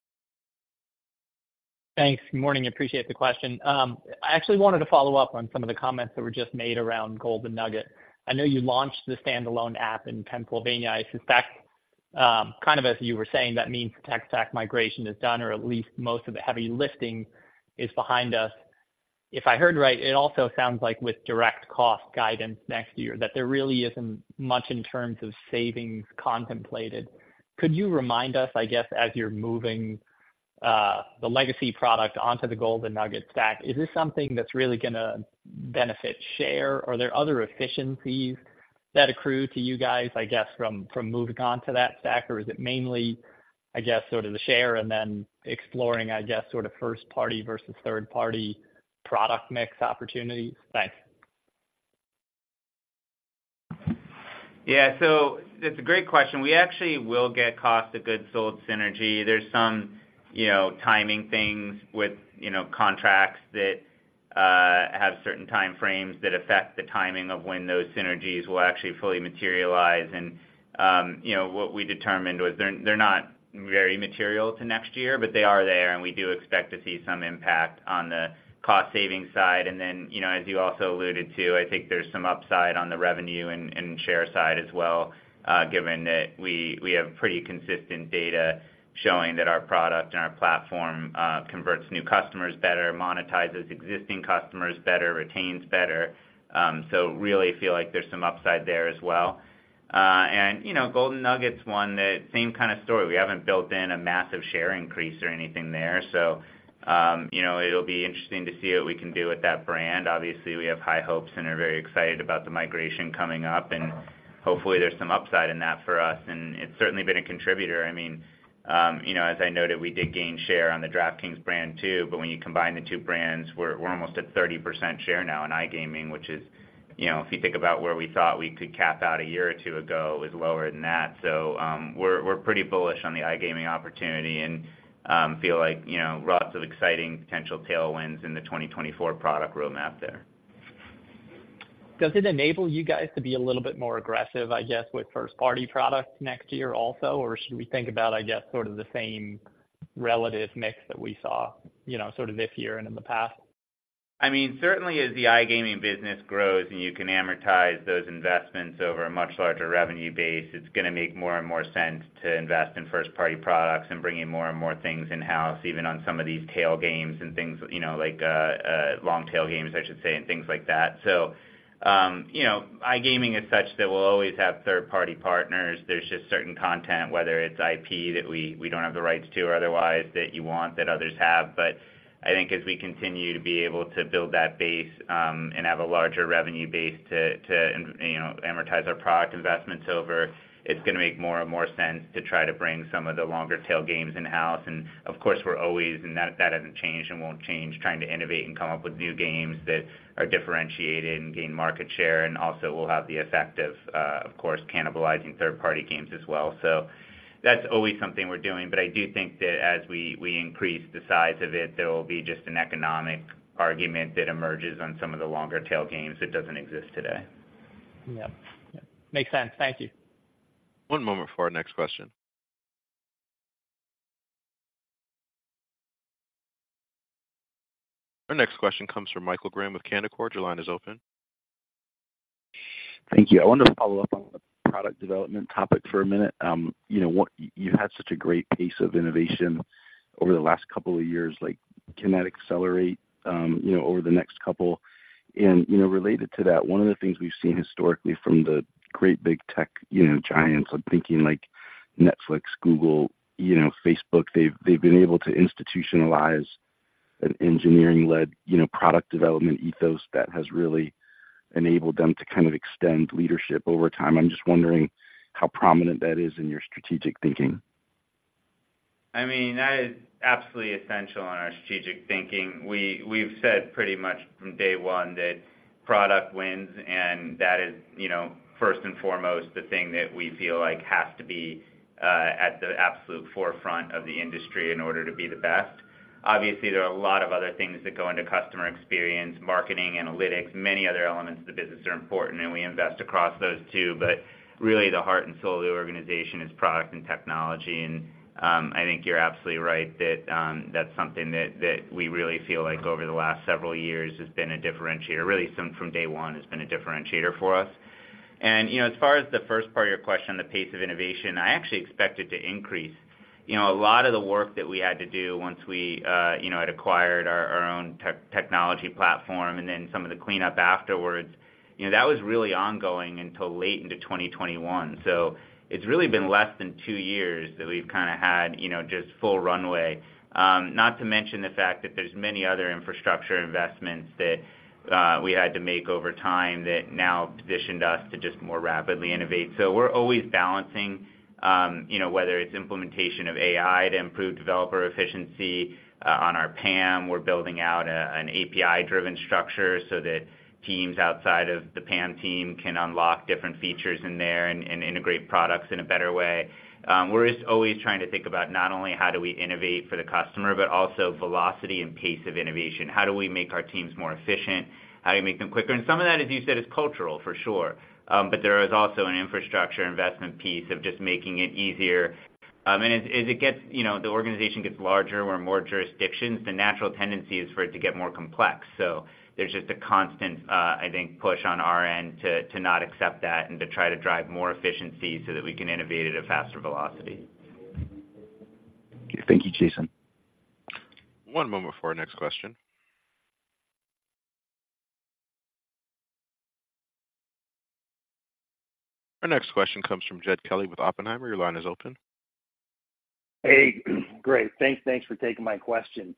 Thanks. Good morning. Appreciate the question. I actually wanted to follow up on some of the comments that were just made around Golden Nugget. I know you launched the standalone app in Pennsylvania. I suspect, kind of as you were saying, that means the tech stack migration is done, or at least most of the heavy lifting is behind us. If I heard right, it also sounds like with direct cost guidance next year, that there really isn't much in terms of savings contemplated. Could you remind us, I guess, as you're moving, the legacy product onto the Golden Nugget stack, is this something that's really gonna benefit share? Are there other efficiencies that accrue to you guys, I guess, from moving on to that stack? Or is it mainly, I guess, sort of the share and then exploring, I guess, sort of first-party versus third-party product mix opportunities? Thanks. Yeah, so it's a great question. We actually will get cost of goods sold synergy. There's some, you know, timing things with, you know, contracts that have certain time frames that affect the timing of when those synergies will actually fully materialize. And, you know, what we determined was they're, they're not very material to next year, but they are there, and we do expect to see some impact on the cost-saving side. And then, you know, as you also alluded to, I think there's some upside on the revenue and, and share side as well, given that we, we have pretty consistent data showing that our product and our platform converts new customers better, monetizes existing customers better, retains better. So really feel like there's some upside there as well. And, you know, Golden Nugget's one, the same kind of story. We haven't built in a massive share increase or anything there. So, you know, it'll be interesting to see what we can do with that brand. Obviously, we have high hopes and are very excited about the migration coming up, and hopefully there's some upside in that for us, and it's certainly been a contributor. I mean, you know, as I noted, we did gain share on the DraftKings brand, too. But when you combine the two brands, we're, we're almost at 30% share now in iGaming, which is, you know, if you think about where we thought we could cap out a year or two ago, it was lower than that. So, we're, we're pretty bullish on the iGaming opportunity and, feel like, you know, lots of exciting potential tailwinds in the 2024 product roadmap there. Does it enable you guys to be a little bit more aggressive, I guess, with first-party products next year also? Or should we think about, I guess, sort of the same relative mix that we saw, you know, sort of this year and in the past? I mean, certainly as the iGaming business grows and you can amortize those investments over a much larger revenue base, it's going to make more and more sense to invest in first-party products and bring in more and more things in-house, even on some of these tail games and things, you know, like, long-tail games, I should say, and things like that. So, you know, iGaming is such that we'll always have third-party partners. There's just certain content, whether it's IP, that we don't have the rights to or otherwise, that you want, that others have. But I think as we continue to be able to build that base, and have a larger revenue base to, you know, amortize our product investments over, it's going to make more and more sense to try to bring some of the longer tail games in-house. And of course, we're always, and that hasn't changed and won't change, trying to innovate and come up with new games that are differentiated and gain market share. And also we'll have the effect of, of course, cannibalizing third-party games as well. So that's always something we're doing. But I do think that as we increase the size of it, there will be just an economic argument that emerges on some of the longer tail games that doesn't exist today. Yep. Yep, makes sense. Thank you. One moment for our next question. Our next question comes from Michael Graham with Canaccord. Your line is open. Thank you. I wanted to follow up on the product development topic for a minute. You know, you've had such a great pace of innovation over the last couple of years. Like, can that accelerate, you know, over the next couple? And, you know, related to that, one of the things we've seen historically from the great big tech, you know, giants, I'm thinking like Netflix, Google, you know, Facebook, they've been able to institutionalize an engineering-led, you know, product development ethos that has really enabled them to kind of extend leadership over time. I'm just wondering how prominent that is in your strategic thinking. I mean, that is absolutely essential in our strategic thinking. We, we've said pretty much from day one that product wins, and that is, you know, first and foremost, the thing that we feel like has to be at the absolute forefront of the industry in order to be the best. Obviously, there are a lot of other things that go into customer experience, marketing, analytics, many other elements of the business are important, and we invest across those, too. But really, the heart and soul of the organization is product and technology. And, I think you're absolutely right that that's something that we really feel like over the last several years has been a differentiator, really from day one, has been a differentiator for us. You know, as far as the first part of your question, the pace of innovation, I actually expect it to increase. You know, a lot of the work that we had to do once we had acquired our own technology platform and then some of the cleanup afterwards, you know, that was really ongoing until late into 2021. So it's really been less than two years that we've kind of had, you know, just full runway. Not to mention the fact that there's many other infrastructure investments that we had to make over time that now positioned us to just more rapidly innovate. So we're always balancing, you know, whether it's implementation of AI to improve developer efficiency on our PAM. We're building out an API-driven structure so that teams outside of the PAM team can unlock different features in there and integrate products in a better way. We're just always trying to think about not only how do we innovate for the customer, but also velocity and pace of innovation. How do we make our teams more efficient? How do we make them quicker? And some of that, as you said, is cultural, for sure. But there is also an infrastructure investment piece of just making it easier. I mean, as it gets you know, the organization gets larger, we're in more jurisdictions, the natural tendency is for it to get more complex. There's just a constant, I think, push on our end to not accept that and to try to drive more efficiency so that we can innovate at a faster velocity. Thank you, Jason. One moment for our next question. Our next question comes from Jed Kelly with Oppenheimer. Your line is open. Hey, great. Thanks. Thanks for taking my question.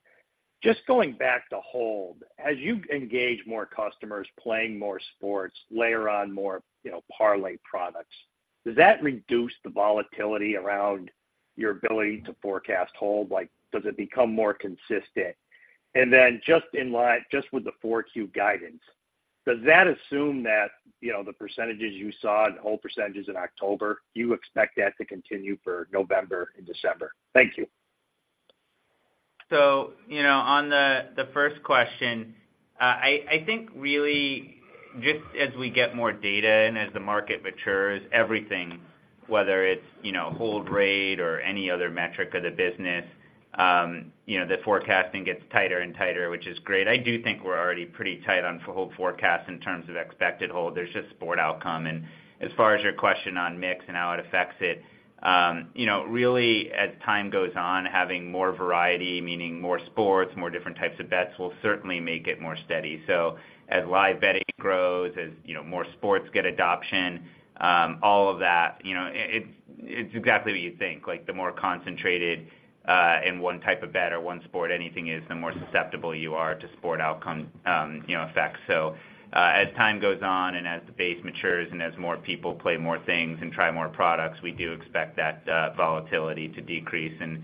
Just going back to hold, as you engage more customers, playing more sports, layer on more, you know, parlay products, does that reduce the volatility around your ability to forecast hold? Like, does it become more consistent? And then just in line, just with the 4Q guidance, does that assume that, you know, the percentages you saw, the hold percentages in October, do you expect that to continue for November and December? Thank you.... So, you know, on the first question, I think really just as we get more data and as the market matures, everything, whether it's, you know, hold rate or any other metric of the business, you know, the forecasting gets tighter and tighter, which is great. I do think we're already pretty tight on hold forecast in terms of expected hold. There's just sport outcome. And as far as your question on mix and how it affects it, you know, really, as time goes on, having more variety, meaning more sports, more different types of bets, will certainly make it more steady. So as live betting grows, as, you know, more sports get adoption, all of that, you know, it, it's exactly what you'd think. Like, the more concentrated in one type of bet or one sport anything is, the more susceptible you are to sport outcome, you know, effects. So, as time goes on and as the base matures and as more people play more things and try more products, we do expect that volatility to decrease. And,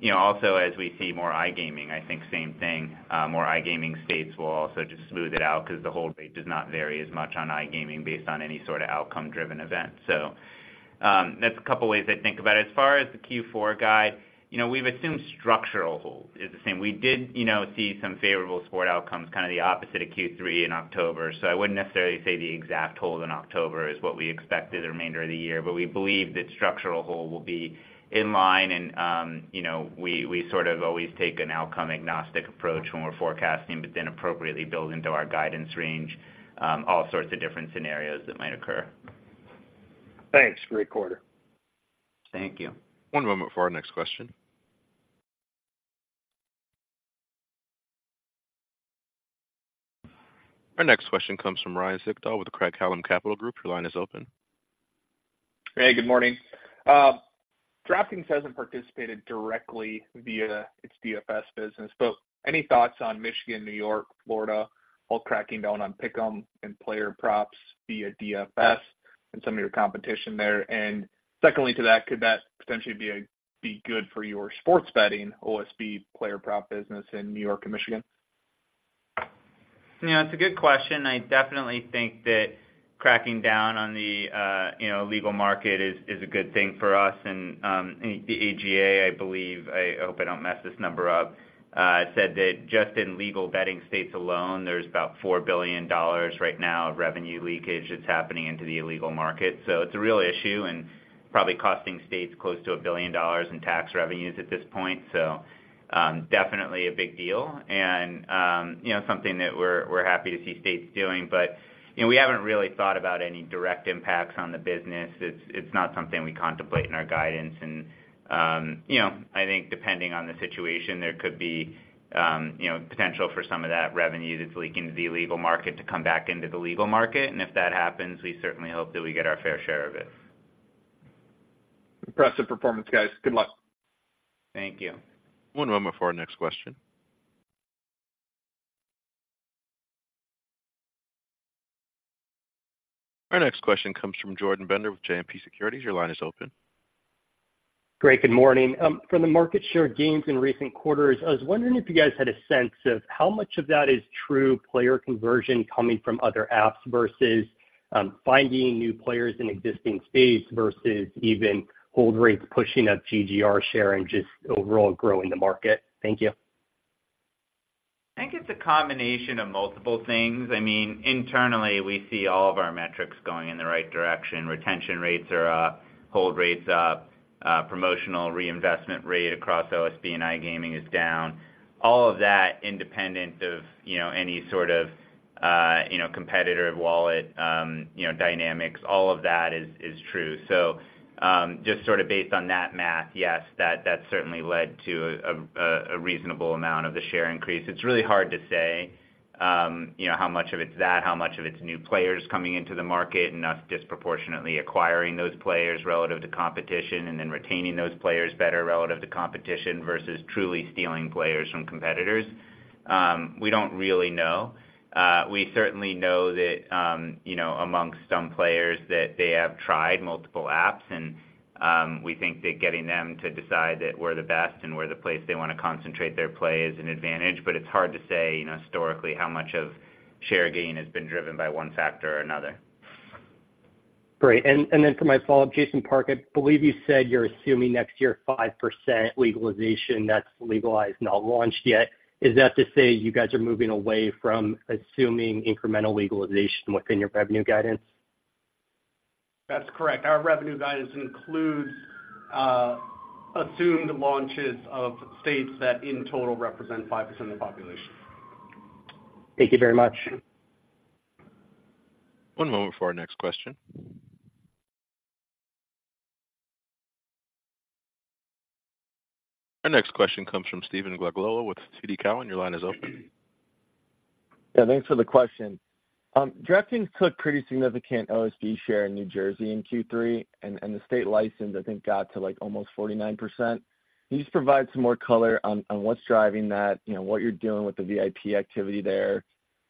you know, also, as we see more iGaming, I think same thing. More iGaming states will also just smooth it out because the hold rate does not vary as much on iGaming based on any sort of outcome-driven event. So, that's a couple ways I think about it. As far as the Q4 guide, you know, we've assumed structural hold is the same. We did, you know, see some favorable sport outcomes, kind of the opposite of Q3 in October. I wouldn't necessarily say the exact hold in October is what we expect through the remainder of the year, but we believe that structural hold will be in line. You know, we sort of always take an outcome-agnostic approach when we're forecasting, but then appropriately build into our guidance range, all sorts of different scenarios that might occur. Thanks. Great quarter. Thank you. One moment for our next question. Our next question comes from Ryan Sigdahl with Craig-Hallum Capital Group. Your line is open. Hey, good morning. DraftKings hasn't participated directly via its DFS business, but any thoughts on Michigan, New York, Florida, all cracking down on pick'em and player props via DFS and some of your competition there? And secondly to that, could that potentially be good for your sports betting OSB player prop business in New York and Michigan? Yeah, it's a good question. I definitely think that cracking down on the, you know, legal market is, is a good thing for us. And, the AGA, I believe, I hope I don't mess this number up, said that just in legal betting states alone, there's about $4 billion right now of revenue leakage that's happening into the illegal market. So it's a real issue and probably costing states close to $1 billion in tax revenues at this point. So, definitely a big deal and, you know, something that we're, we're happy to see states doing. But, you know, we haven't really thought about any direct impacts on the business. It's, it's not something we contemplate in our guidance. And, you know, I think depending on the situation, there could be, you know, potential for some of that revenue that's leaking to the illegal market to come back into the legal market. And if that happens, we certainly hope that we get our fair share of it. Impressive performance, guys. Good luck. Thank you. One moment for our next question. Our next question comes from Jordan Bender with JMP Securities. Your line is open. Great. Good morning. From the market share gains in recent quarters, I was wondering if you guys had a sense of how much of that is true player conversion coming from other apps versus, finding new players in existing space, versus even hold rates pushing up GGR share and just overall growing the market? Thank you. I think it's a combination of multiple things. I mean, internally, we see all of our metrics going in the right direction. Retention rates are up, hold rates are up, promotional reinvestment rate across OSB and iGaming is down. All of that, independent of, you know, any sort of, you know, competitor wallet, you know, dynamics, all of that is, is true. So, just sort of based on that math, yes, that, that certainly led to a, a reasonable amount of the share increase. It's really hard to say, you know, how much of it's that, how much of it's new players coming into the market and us disproportionately acquiring those players relative to competition, and then retaining those players better relative to competition versus truly stealing players from competitors. We don't really know. We certainly know that, you know, among some players that they have tried multiple apps, and we think that getting them to decide that we're the best and we're the place they want to concentrate their play is an advantage. But it's hard to say, you know, historically, how much of share gain has been driven by one factor or another. Great. And then for my follow-up, Jason Park, I believe you said you're assuming next year, 5% legalization that's legalized, not launched yet. Is that to say you guys are moving away from assuming incremental legalization within your revenue guidance? That's correct. Our revenue guidance includes assumed launches of states that, in total, represent 5% of the population. Thank you very much. One moment for our next question. Our next question comes from Stephen Glagola with TD Cowen. Your line is open. Yeah, thanks for the question. DraftKings took pretty significant OSB share in New Jersey in Q3, and, and the state license, I think, got to, like, almost 49%. Can you just provide some more color on, on what's driving that? You know, what you're doing with the VIP activity there?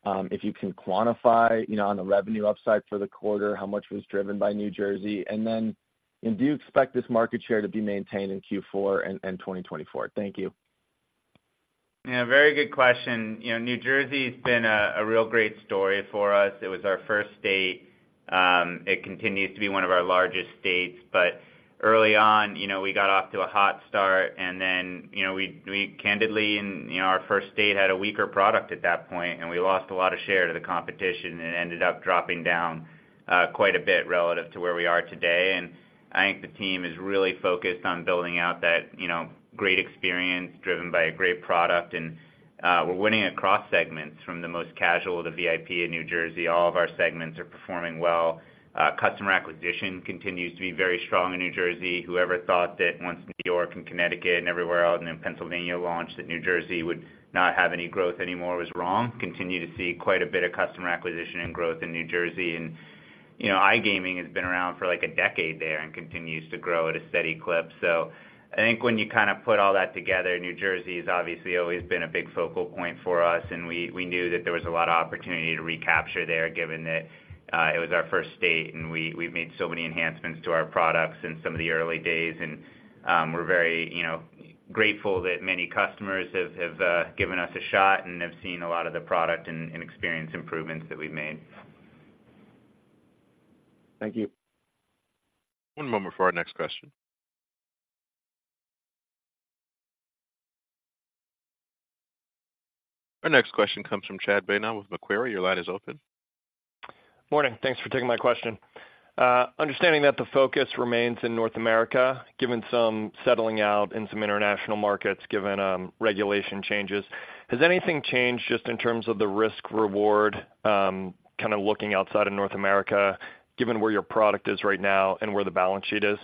If you can quantify, you know, on the revenue upside for the quarter, how much was driven by New Jersey? And then, and do you expect this market share to be maintained in Q4 and, and 2024? Thank you.... Yeah, very good question. You know, New Jersey has been a real great story for us. It was our first state. It continues to be one of our largest states, but early on, you know, we got off to a hot start, and then, you know, we candidly, you know, our first state, had a weaker product at that point, and we lost a lot of share to the competition and ended up dropping down quite a bit relative to where we are today. I think the team is really focused on building out that, you know, great experience, driven by a great product, and we're winning across segments from the most casual to VIP in New Jersey. All of our segments are performing well. Customer acquisition continues to be very strong in New Jersey. Whoever thought that once New York and Connecticut and everywhere else, and then Pennsylvania launched, that New Jersey would not have any growth anymore, was wrong. Continue to see quite a bit of customer acquisition and growth in New Jersey, and, you know, iGaming has been around for, like, a decade there and continues to grow at a steady clip. So I think when you kind of put all that together, New Jersey has obviously always been a big focal point for us, and we knew that there was a lot of opportunity to recapture there, given that it was our first state, and we've made so many enhancements to our products in some of the early days. We're very, you know, grateful that many customers have given us a shot and have seen a lot of the product and experience improvements that we've made. Thank you. One moment for our next question. Our next question comes from Chad Beynon with Macquarie. Your line is open. Morning. Thanks for taking my question. Understanding that the focus remains in North America, given some settling out in some international markets, given regulation changes, has anything changed just in terms of the risk-reward, kind of looking outside of North America, given where your product is right now and where the balance sheet is?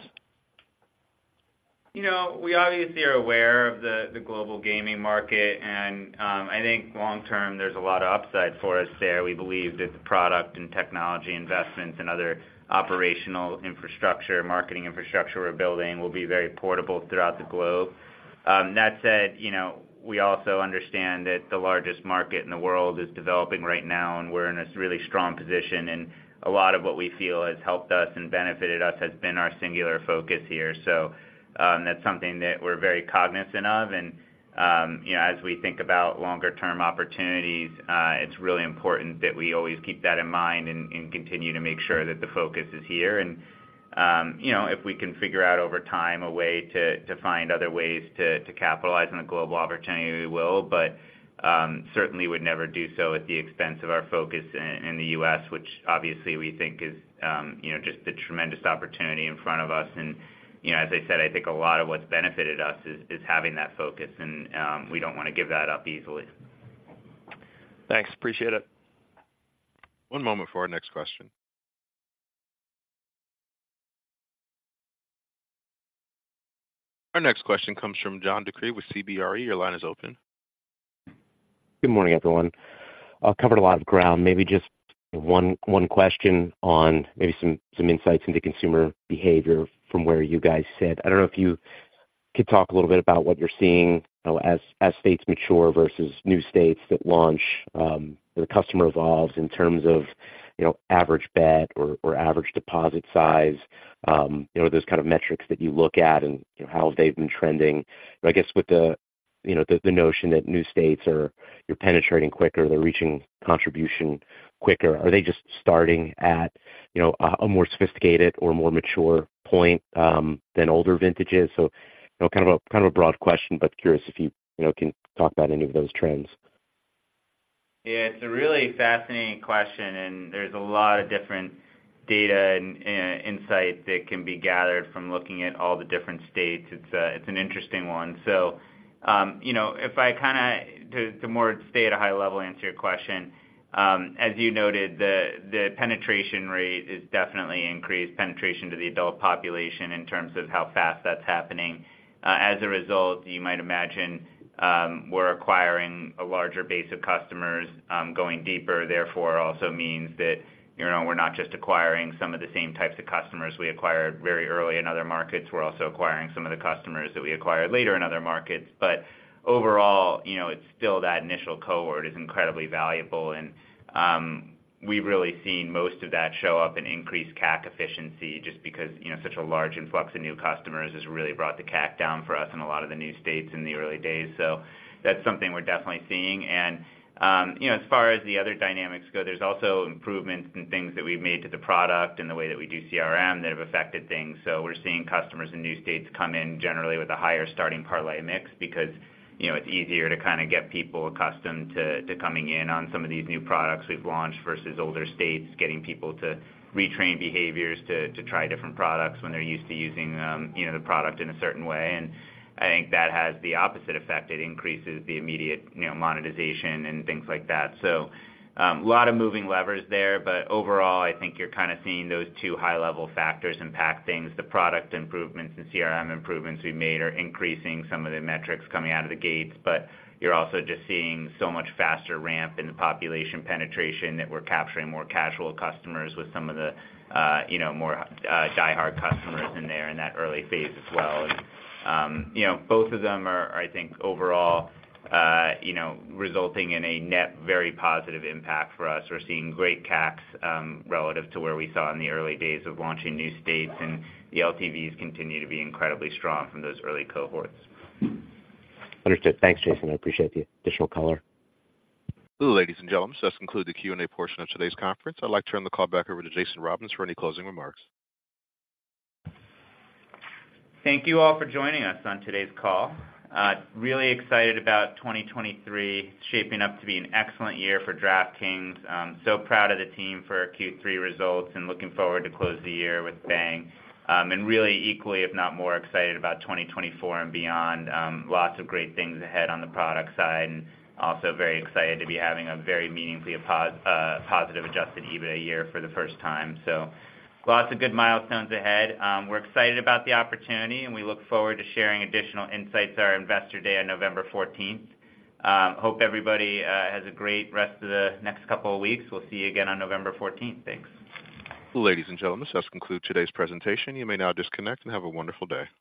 You know, we obviously are aware of the global gaming market, and I think long term, there's a lot of upside for us there. We believe that the product and technology investments and other operational infrastructure, marketing infrastructure we're building, will be very portable throughout the globe. That said, you know, we also understand that the largest market in the world is developing right now, and we're in a really strong position, and a lot of what we feel has helped us and benefited us has been our singular focus here. So, that's something that we're very cognizant of, and you know, as we think about longer term opportunities, it's really important that we always keep that in mind and continue to make sure that the focus is here. You know, if we can figure out, over time, a way to find other ways to capitalize on the global opportunity, we will, but certainly would never do so at the expense of our focus in the U.S., which obviously we think is, you know, just a tremendous opportunity in front of us. And, you know, as I said, I think a lot of what's benefited us is having that focus, and we don't want to give that up easily. Thanks. Appreciate it. One moment for our next question. Our next question comes from John DeCree with CBRE. Your line is open. Good morning, everyone. I've covered a lot of ground, maybe just one question on maybe some insights into consumer behavior from where you guys sit. I don't know if you could talk a little bit about what you're seeing, you know, as states mature versus new states that launch, the customer evolves in terms of, you know, average bet or average deposit size, you know, those kind of metrics that you look at and, you know, how they've been trending. I guess, with the, you know, the notion that new states are... You're penetrating quicker, they're reaching contribution quicker. Are they just starting at, you know, a more sophisticated or more mature point than older vintages? So, you know, kind of a broad question, but curious if you, you know, can talk about any of those trends. Yeah, it's a really fascinating question, and there's a lot of different data and insight that can be gathered from looking at all the different states. It's an interesting one. So, you know, to more stay at a high level, answer your question, as you noted, the penetration rate is definitely increased penetration to the adult population in terms of how fast that's happening. As a result, you might imagine, we're acquiring a larger base of customers, going deeper, therefore, also means that, you know, we're not just acquiring some of the same types of customers we acquired very early in other markets. We're also acquiring some of the customers that we acquired later in other markets. But overall, you know, it's still that initial cohort is incredibly valuable, and, we've really seen most of that show up in increased CAC efficiency just because, you know, such a large influx of new customers has really brought the CAC down for us in a lot of the new states in the early days. So that's something we're definitely seeing. And, you know, as far as the other dynamics go, there's also improvements in things that we've made to the product and the way that we do CRM that have affected things. So we're seeing customers in new states come in generally with a higher starting parlay mix because, you know, it's easier to kind of get people accustomed to coming in on some of these new products we've launched versus older states, getting people to retrain behaviors to try different products when they're used to using, you know, the product in a certain way. And I think that has the opposite effect. It increases the immediate, you know, monetization and things like that. So, a lot of moving levers there, but overall, I think you're kind of seeing those two high-level factors impact things. The product improvements and CRM improvements we've made are increasing some of the metrics coming out of the gates, but you're also just seeing so much faster ramp in the population penetration that we're capturing more casual customers with some of the, you know, more, diehard customers in there in that early phase as well. You know, both of them are, I think, overall, you know, resulting in a net, very positive impact for us. We're seeing great CACs, relative to where we saw in the early days of launching new states, and the LTVs continue to be incredibly strong from those early cohorts. Understood. Thanks, Jason, I appreciate the additional color. Ladies and gentlemen, this concludes the Q&A portion of today's conference. I'd like to turn the call back over to Jason Robins for any closing remarks. Thank you all for joining us on today's call. Really excited about 2023, shaping up to be an excellent year for DraftKings. So proud of the team for our Q3 results and looking forward to close the year with a bang. And really equally, if not more excited about 2024 and beyond. Lots of great things ahead on the product side, and also very excited to be having a very meaningfully positive Adjusted EBITDA year for the first time. So lots of good milestones ahead. We're excited about the opportunity, and we look forward to sharing additional insights at our Investor Day on November 14th. Hope everybody has a great rest of the next couple of weeks. We'll see you again on November 14th. Thanks. Ladies and gentlemen, this concludes today's presentation. You may now disconnect and have a wonderful day.